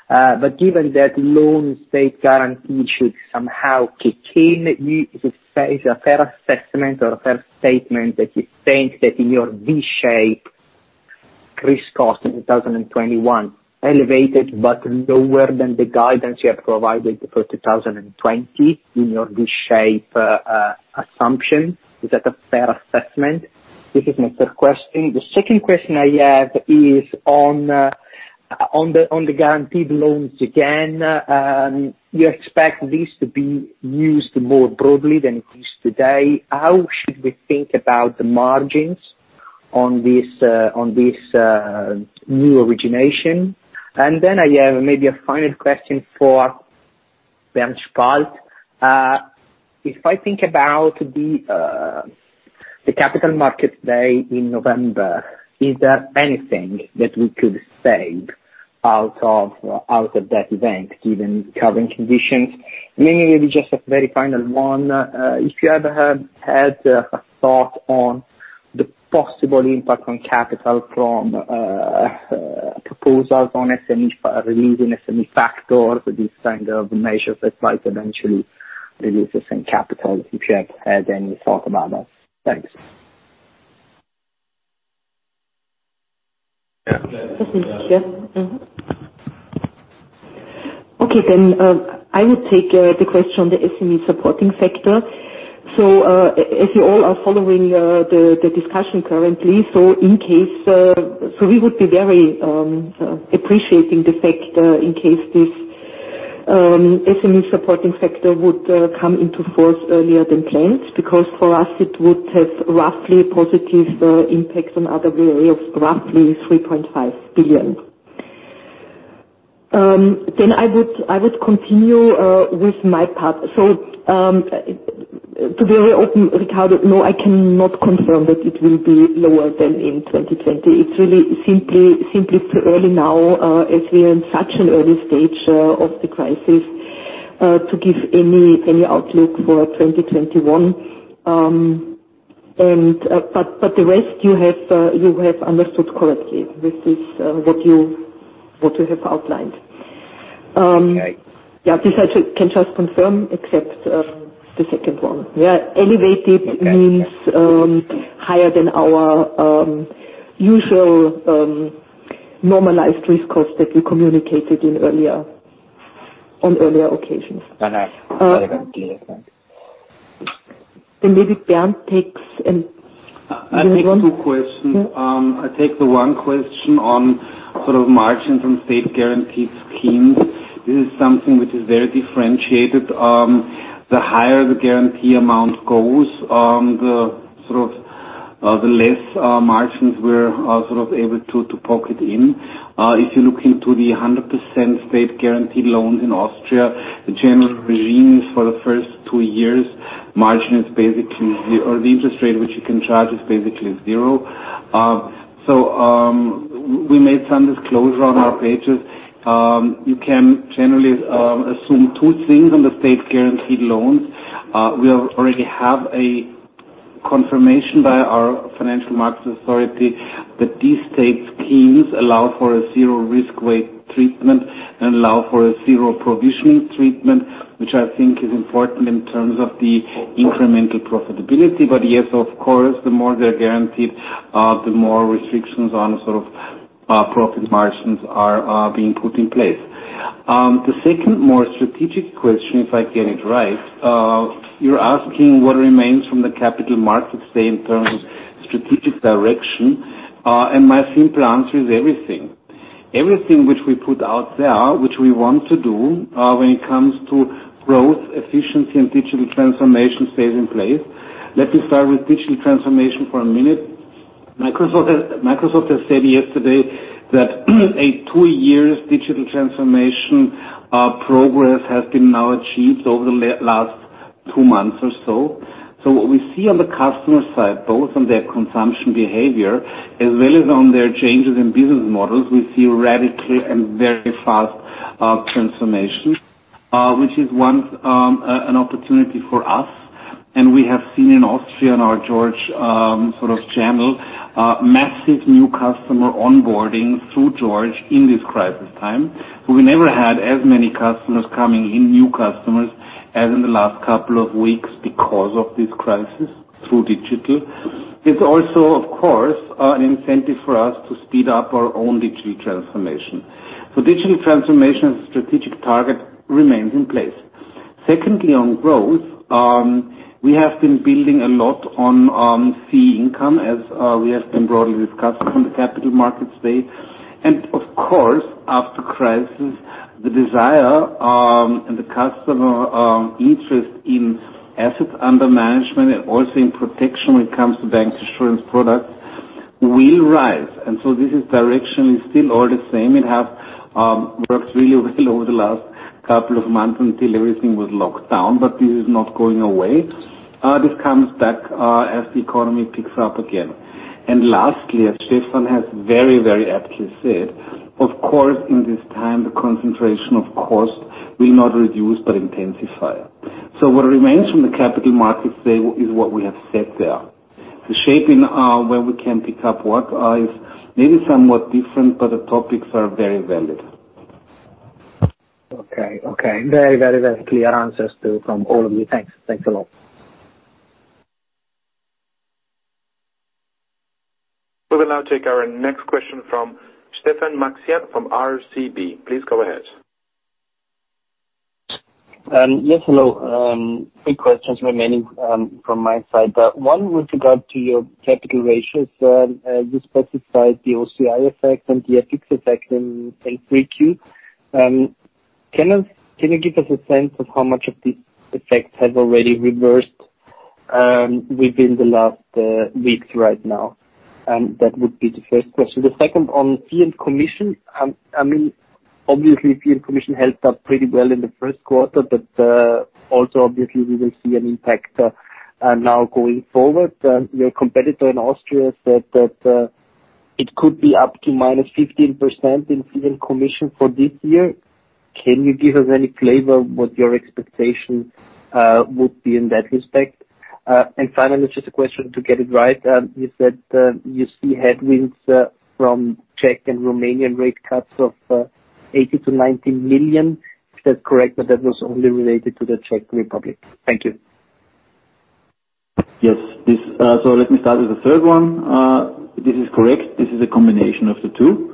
but given that loan state guarantee should somehow kick in, is it a fair assessment or a fair statement that you think that in your V shape risk cost in 2021, elevated but lower than the guidance you have provided for 2020 in your V shape assumption. Is that a fair assessment? This is my first question. The second question I have is on the guaranteed loans again, you expect this to be used more broadly than it is today. How should we think about the margins on this new origination? Then I have maybe a final question for Bernd Spalt. If I think about the Capital Markets Day in November, is there anything that we could save out of that event, given current conditions? Maybe just a very final one. If you have had a thought on the possible impact on capital from proposals on releasing SME supporting factor, this kind of measure that might eventually reduce the same capital, if you have had any thought about that. Thanks.
Okay, I would take the question on the SME supporting factor. If you all are following the discussion currently, we would be very appreciating the fact that in case this SME supporting factor would come into force earlier than planned, because for us, it would have roughly positive impacts on RWA of roughly 3.5 billion. I would continue with my part. To be very open, Riccardo, no, I cannot confirm that it will be lower than in 2020. It's really simply too early now, as we are in such an early Stage of the crisis, to give any outlook for 2021. The rest you have understood correctly with this, what you have outlined.
Okay.
Yeah. This I can just confirm, except the second one. Yeah. Elevated means higher than our usual normalized risk cost that we communicated on earlier occasions.
Very nice. Very good. Thank you.
Maybe Bernd takes another one.
I take two questions. I take the one question on sort of margins on state guarantees schemes. This is something which is very differentiated. The higher the guarantee amount goes, the less margins we're able to pocket in. If you look into the 100% state guarantee loans in Austria, the general regimes for the first two years, the interest rate which you can charge is basically zero. We made some disclosure on our pages. You can generally assume two things on the state guaranteed loans. We already have a confirmation by our Financial Markets Authority that these state schemes allow for a zero risk weight treatment and allow for a zero provisioning treatment, which I think is important in terms of the incremental profitability. Yes, of course, the more they're guaranteed, the more restrictions on profit margins are being put in place. The second more strategic question, if I get it right, you're asking what remains from the Capital Markets Day in terms of strategic direction. My simple answer is everything. Everything which we put out there, which we want to do, when it comes to growth, efficiency, and digital transformation stays in place. Let me start with digital transformation for a minute. Microsoft has said yesterday that a two years digital transformation progress has been now achieved over the last two months or so. What we see on the customer side, both on their consumption behavior as well as on their changes in business models, we see radically and very fast transformation, which is one, an opportunity for us. We have seen in Austria, in our George sort of channel, massive new customer onboarding through George in this crisis time. We never had as many customers coming in, new customers, as in the last couple of weeks because of this crisis through digital. It's also, of course, an incentive for us to speed up our own digital transformation. Digital transformation strategic target remains in place. Secondly, on growth, we have been building a lot on fee income as we have been broadly discussing on the Capital Markets Day. Of course, after crisis, the desire and the customer interest in assets under management and also in protection when it comes to bank insurance products Will rise. This direction is still all the same. It has worked really well over the last couple of months until everything was locked down, but this is not going away. This comes back as the economy picks up again. Lastly, as Stefan has very aptly said, of course, in this time, the concentration of cost will not reduce but intensify. What remains from the Capital Markets Day is what we have said there. The shaping of where we can pick up what is maybe somewhat different, but the topics are very valid.
Okay. Very clear answers from all of you. Thanks a lot.
We will now take our next question from Stefan Maxian from RCB. Please go ahead.
Yes. Hello. Three questions remaining from my side, one with regard to your capital ratios, you specified the OCI effect and the FX effect in 3Q. Can you give us a sense of how much of these effects have already reversed within the last weeks right now? That would be the first question. The second on fee and commission. Obviously, fee and commission held up pretty well in the first quarter, but also obviously we will see an impact now going forward. Your competitor in Austria said that it could be up to -15% in fee and commission for this year. Can you give us any flavor on what your expectation would be in that respect? Finally, just a question to get it right. You said you see headwinds from Czech and Romanian rate cuts of 80 million-90 million. Is that correct, but that was only related to the Czech Republic? Thank you.
Yes. Let me start with the third one. This is correct. This is a combination of the two.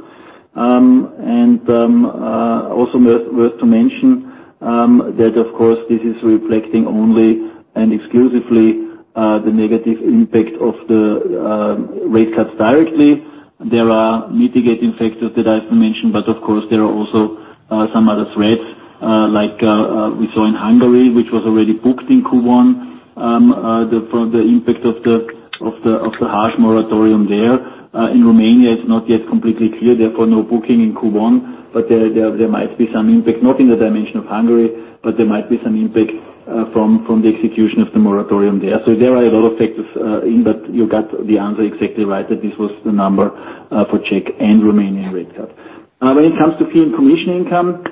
Also worth to mention that, of course, this is reflecting only and exclusively the negative impact of the rate cuts directly. There are mitigating factors that I have to mention, but of course, there are also some other threats like we saw in Hungary, which was already booked in Q1 from the impact of the harsh moratorium there. In Romania, it's not yet completely clear, therefore, no booking in Q1, but there might be some impact, not in the dimension of Hungary, but there might be some impact from the execution of the moratorium there. There are a lot of factors in, but you got the answer exactly right that this was the number for Czech and Romanian rate cut. When it comes to fee and commission income,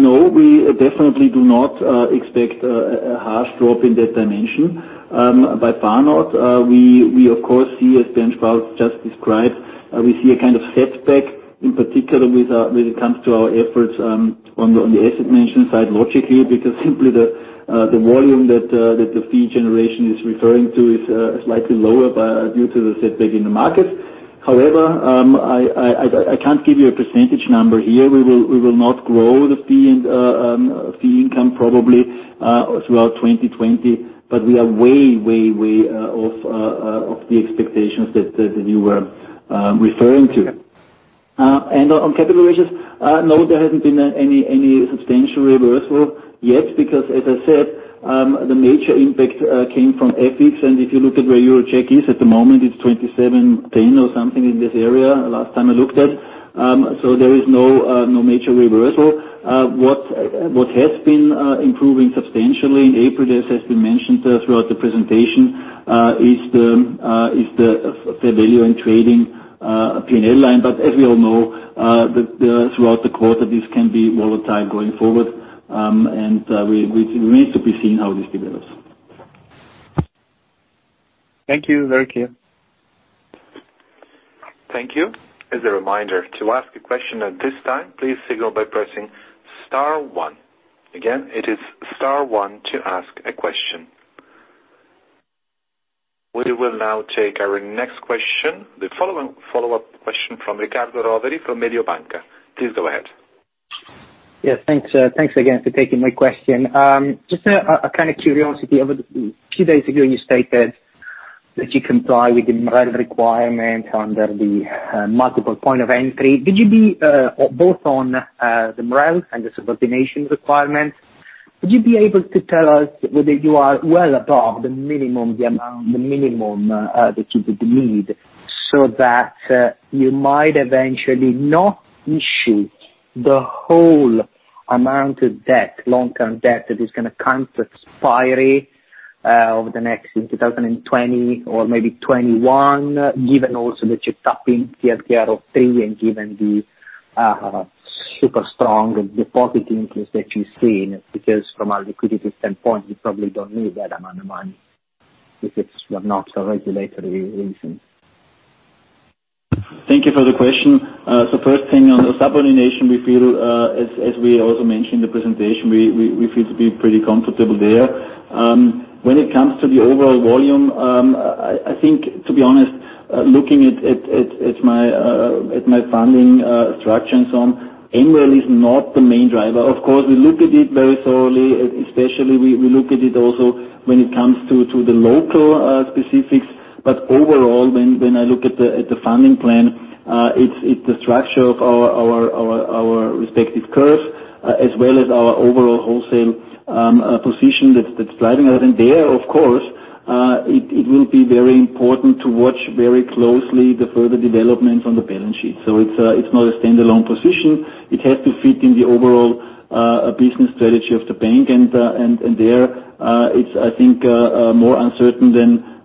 no, we definitely do not expect a harsh drop in that dimension. By far not. We of course see, as Bernd Spalt just described, we see a kind of setback in particular when it comes to our efforts on the assets under management side, logically because simply the volume that the fee generation is referring to is slightly lower due to the setback in the market. I can't give you a percentage number here. We will not grow the fee income probably throughout 2020, but we are way off the expectations that you were referring to. On capital ratios, no, there hasn't been any substantial reversal yet because as I said, the major impact came from FX. If you look at where Euro Czech is at the moment, it's 27.10 or something in this area, last time I looked at. There is no major reversal. What has been improving substantially in April, this has been mentioned throughout the presentation, is the fair value in trading P&L line. As we all know, throughout the quarter, this can be volatile going forward. We need to be seeing how this develops.
Thank you. Very clear.
Thank you. As a reminder, to ask a question at this time, please signal by pressing star one. Again, it is star one to ask a question. We will now take our next question, the follow-up question from Riccardo Rovere from Mediobanca. Please go ahead.
Yeah. Thanks again for taking my question. Just a kind of curiosity. A few days ago you stated that you comply with the MREL requirement under the multiple point of entry. Both on the MREL and the subordination requirements, would you be able to tell us whether you are well above the minimum amount that you would need, so that you might eventually not issue the whole amount of long-term debt that is going to come to expiry over the next in 2020 or maybe 2021, given also that you're topping CET1 of 3 and given the super strong deposit increase that you're seeing, because from a liquidity standpoint, you probably don't need that amount of money if it's for not regulatory reasons.
Thank you for the question. First thing on the subordination, as we also mentioned in the presentation, we feel to be pretty comfortable there. When it comes to the overall volume, I think, to be honest, looking at my funding structure and so on, MREL is not the main driver. We look at it very thoroughly, especially we look at it also when it comes to the local specifics. Overall, when I look at the funding plan, it's the structure of our respective curves as well as our overall wholesale position that's driving everything there. It will be very important to watch very closely the further developments on the balance sheet. It's not a standalone position. It has to fit in the overall business strategy of the bank, and there, it's more uncertain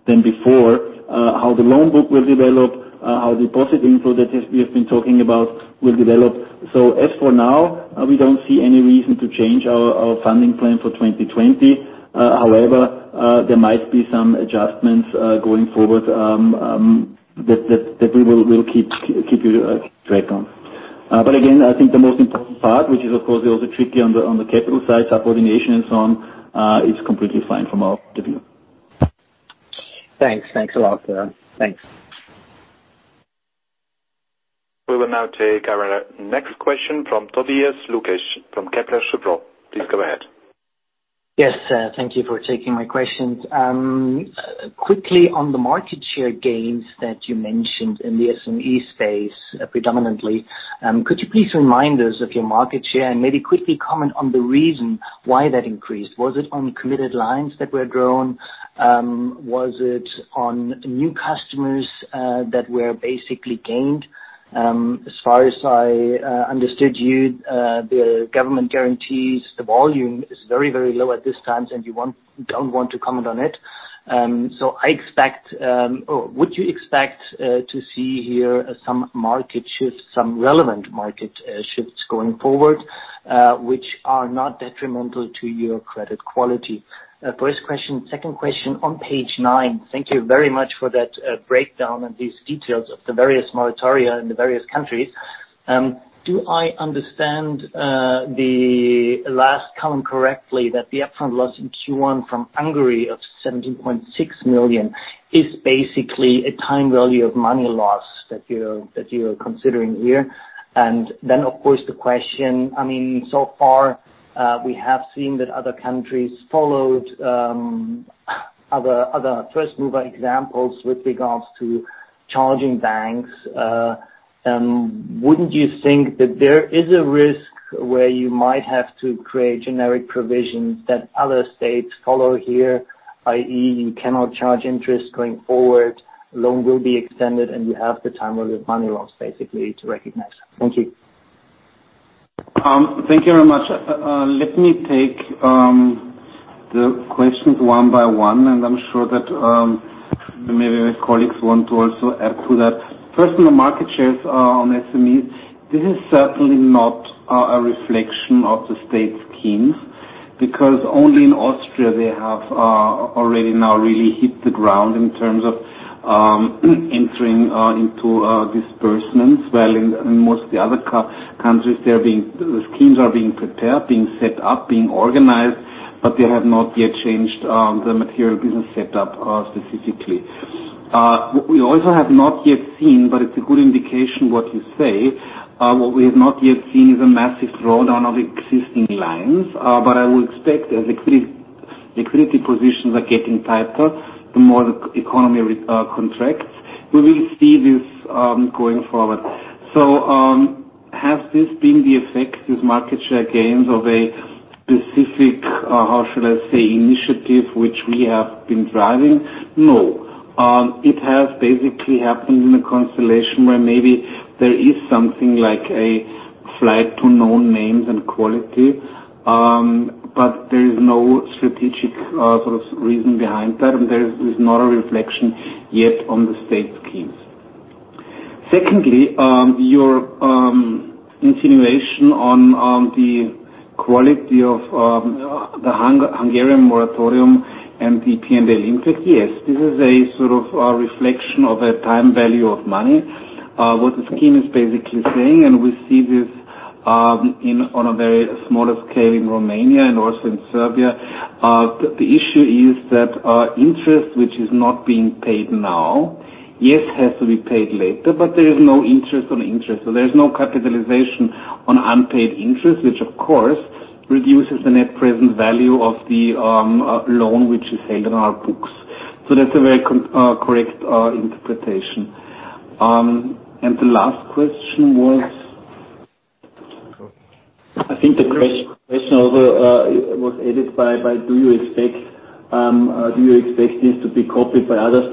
than before how the loan book will develop, how deposit inflow that we have been talking about will develop. As for now, we don't see any reason to change our funding plan for 2020. However, there might be some adjustments going forward that we will keep you abreast on. Again, I think the most important part, which is, of course, also tricky on the capital side, subordination and so on is completely fine from our view.
Thanks a lot. Thanks.
We will now take our next question from Tobias Lukesch from Kepler Cheuvreux. Please go ahead.
Yes, thank you for taking my questions. Quickly on the market share gains that you mentioned in the SME space predominantly, could you please remind us of your market share and maybe quickly comment on the reason why that increased? Was it on committed lines that were grown? Was it on new customers that were basically gained? As far as I understood you, the government guarantees the volume is very low at this time, and you don't want to comment on it. Would you expect to see here some relevant market shifts going forward which are not detrimental to your credit quality? First question. Second question on page nine. Thank you very much for that breakdown and these details of the various moratoria in the various countries. Do I understand the last column correctly that the upfront loss in Q1 from Hungary of 17.6 million is basically a time value of money loss that you are considering here? Then, of course, the question, so far we have seen that other countries followed other first-mover examples with regards to charging banks. Wouldn't you think that there is a risk where you might have to create generic provisions that other states follow here, i.e., you cannot charge interest going forward, loan will be extended, and you have the time or the money loss basically to recognize? Thank you.
Thank you very much. Let me take the questions one by one, and I'm sure that maybe my colleagues want to also add to that. First, on the market shares on SMEs, this is certainly not a reflection of the state schemes because only in Austria they have already now really hit the ground in terms of entering into disbursements, while in most of the other countries, the schemes are being prepared, being set up, being organized, but they have not yet changed the material business set up specifically. What we have not yet seen is a massive drawdown of existing lines. I would expect as liquidity positions are getting tighter, the more the economy contracts, we will see this going forward. Has this been the effect, these market share gains of a specific, how should I say, initiative which we have been driving? No. It has basically happened in a constellation where maybe there is something like a flight to known names and quality. There is no strategic reason behind that, and there is not a reflection yet on the state schemes. Secondly, your insinuation on the quality of the Hungarian moratorium and the P&L interest, yes, this is a reflection of a time value of money. What the scheme is basically saying, and we see this on a very smaller scale in Romania and also in Serbia the issue is that interest which is not being paid now, yes, has to be paid later, but there is no interest on interest. There's no capitalization on unpaid interest, which of course, reduces the net present value of the loan which is held in our books. That's a very correct interpretation. The last question was?
I think the question also was added by do you expect this to be copied by others?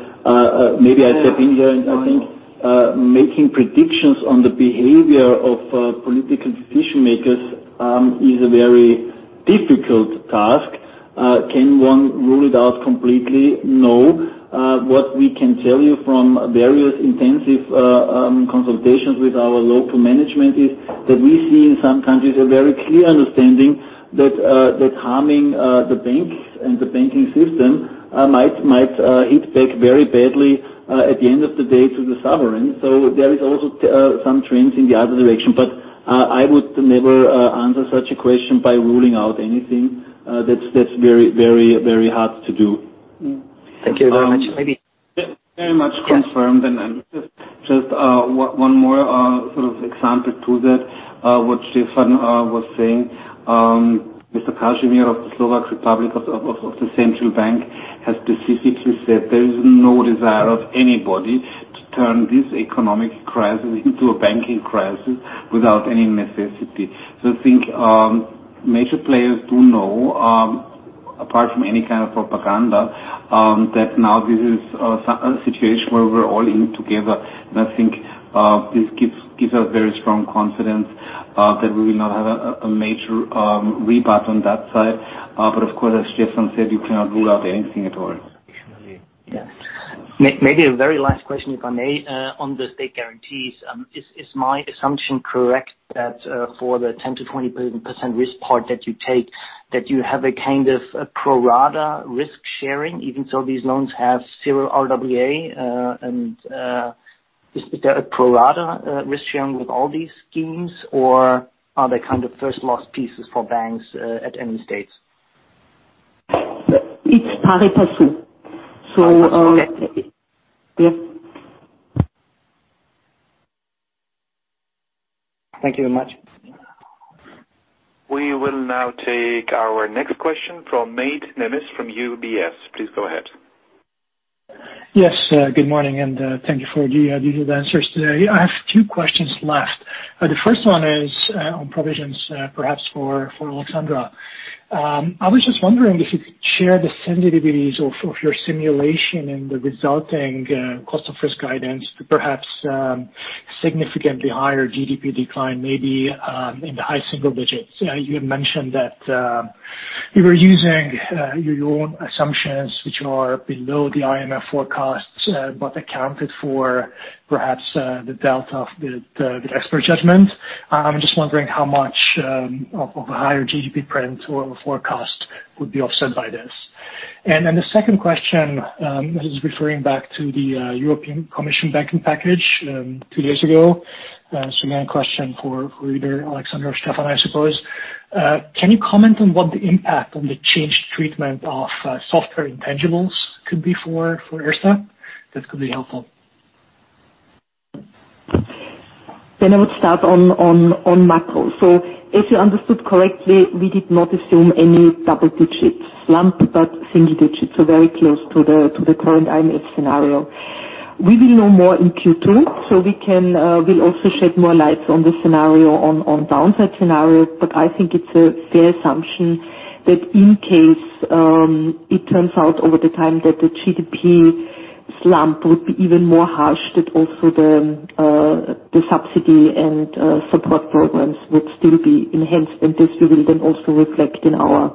Maybe I step in here, and I think making predictions on the behavior of political decision-makers is a very difficult task. Can one rule it out completely? No. What we can tell you from various intensive consultations with our local management is that we see in some countries a very clear understanding that harming the banks and the banking system might hit back very badly at the end of the day to the sovereign. There is also some trends in the other direction, but I would never answer such a question by ruling out anything. That's very hard to do.
Thank you very much.
Very much confirmed. Just one more sort of example to that, what Stefan was saying, Mr. Kažimír of the Slovak Republic of the Central Bank has specifically said there is no desire of anybody to turn this economic crisis into a banking crisis without any necessity. I think major players do know, apart from any kind of propaganda, that now this is a situation where we're all in together. I think this gives us very strong confidence that we will not have a major rebuff on that side. Of course, as Stefan said, you cannot rule out anything at all.
Definitely.
Yeah.
Maybe a very last question, if I may, on the state guarantees. Is my assumption correct that for the 10%-20% risk part that you take, that you have a kind of pro rata risk-sharing, even so these loans have zero RWA, and is there a pro rata risk-sharing with all these schemes, or are they kind of first loss pieces for banks at any stage?
It's pari passu. Yeah.
Thank you very much.
We will now take our next question from Mate Nemes from UBS. Please go ahead.
Yes, good morning, thank you for detailed answers today. I have two questions left. The first one is on provisions perhaps for Alexandra. I was just wondering if you could share the sensitivities of your simulation and the resulting cost of risk guidance to perhaps significantly higher GDP decline maybe in the high single digits. You had mentioned that you were using your own assumptions, which are below the IMF forecasts, but accounted for perhaps the delta of the expert judgment. I'm just wondering how much of a higher GDP print or forecast would be offset by this. Then the second question, this is referring back to the European Commission banking package two days ago. Again, a question for either Alexandra or Stefan, I suppose. Can you comment on what the impact on the changed treatment of software intangibles could be for Erste? That could be helpful.
I would start on macro. If you understood correctly, we did not assume any double-digit slump, but single digits, so very close to the current IMF scenario. We will know more in Q2, so we'll also shed more light on the scenario, on downside scenarios, but I think it's a fair assumption that in case it turns out over the time that the GDP slump would be even more harsh, that also the subsidy and support programs would still be enhanced, and this we will then also reflect in our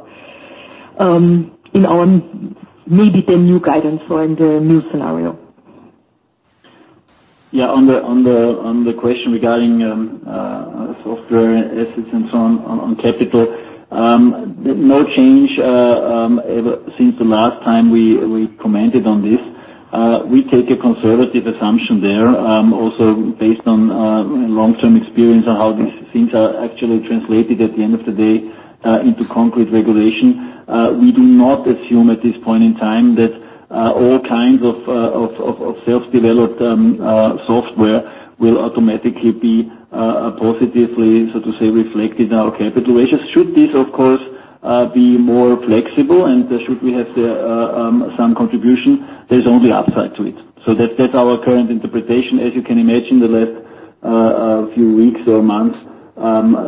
maybe the new guidance or in the new scenario.
On the question regarding software assets and so on capital. No change ever since the last time we commented on this. We take a conservative assumption there, also based on long-term experience on how these things are actually translated at the end of the day into concrete regulation. We do not assume at this point in time that all kinds of self-developed software will automatically be positively, so to say, reflected in our capital ratios. Should this, of course, be more flexible and should we have some contribution, there's only upside to it. That's our current interpretation. As you can imagine, the last few weeks or months,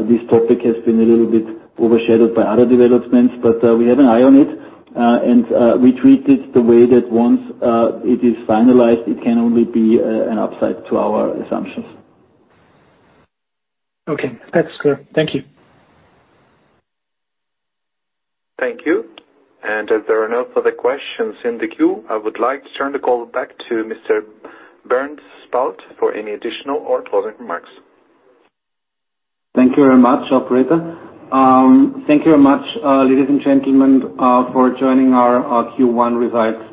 this topic has been a little bit overshadowed by other developments, but we have an eye on it. We treat it the way that once it is finalized, it can only be an upside to our assumptions.
Okay, that's clear. Thank you.
Thank you. As there are no further questions in the queue, I would like to turn the call back to Mr. Bernd Spalt for any additional or closing remarks.
Thank you very much, operator. Thank you very much, ladies and gentlemen, for joining our Q1 results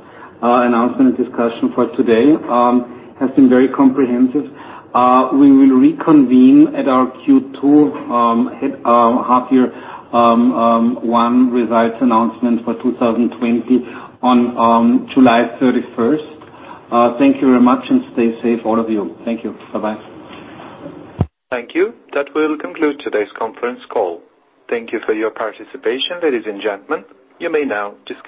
announcement discussion for today, has been very comprehensive. We will reconvene at our Q2 half year one results announcement for 2020 on July 31st. Thank you very much, and stay safe, all of you. Thank you. Bye-bye.
Thank you. That will conclude today's conference call. Thank you for your participation, ladies and gentlemen. You may now disconnect.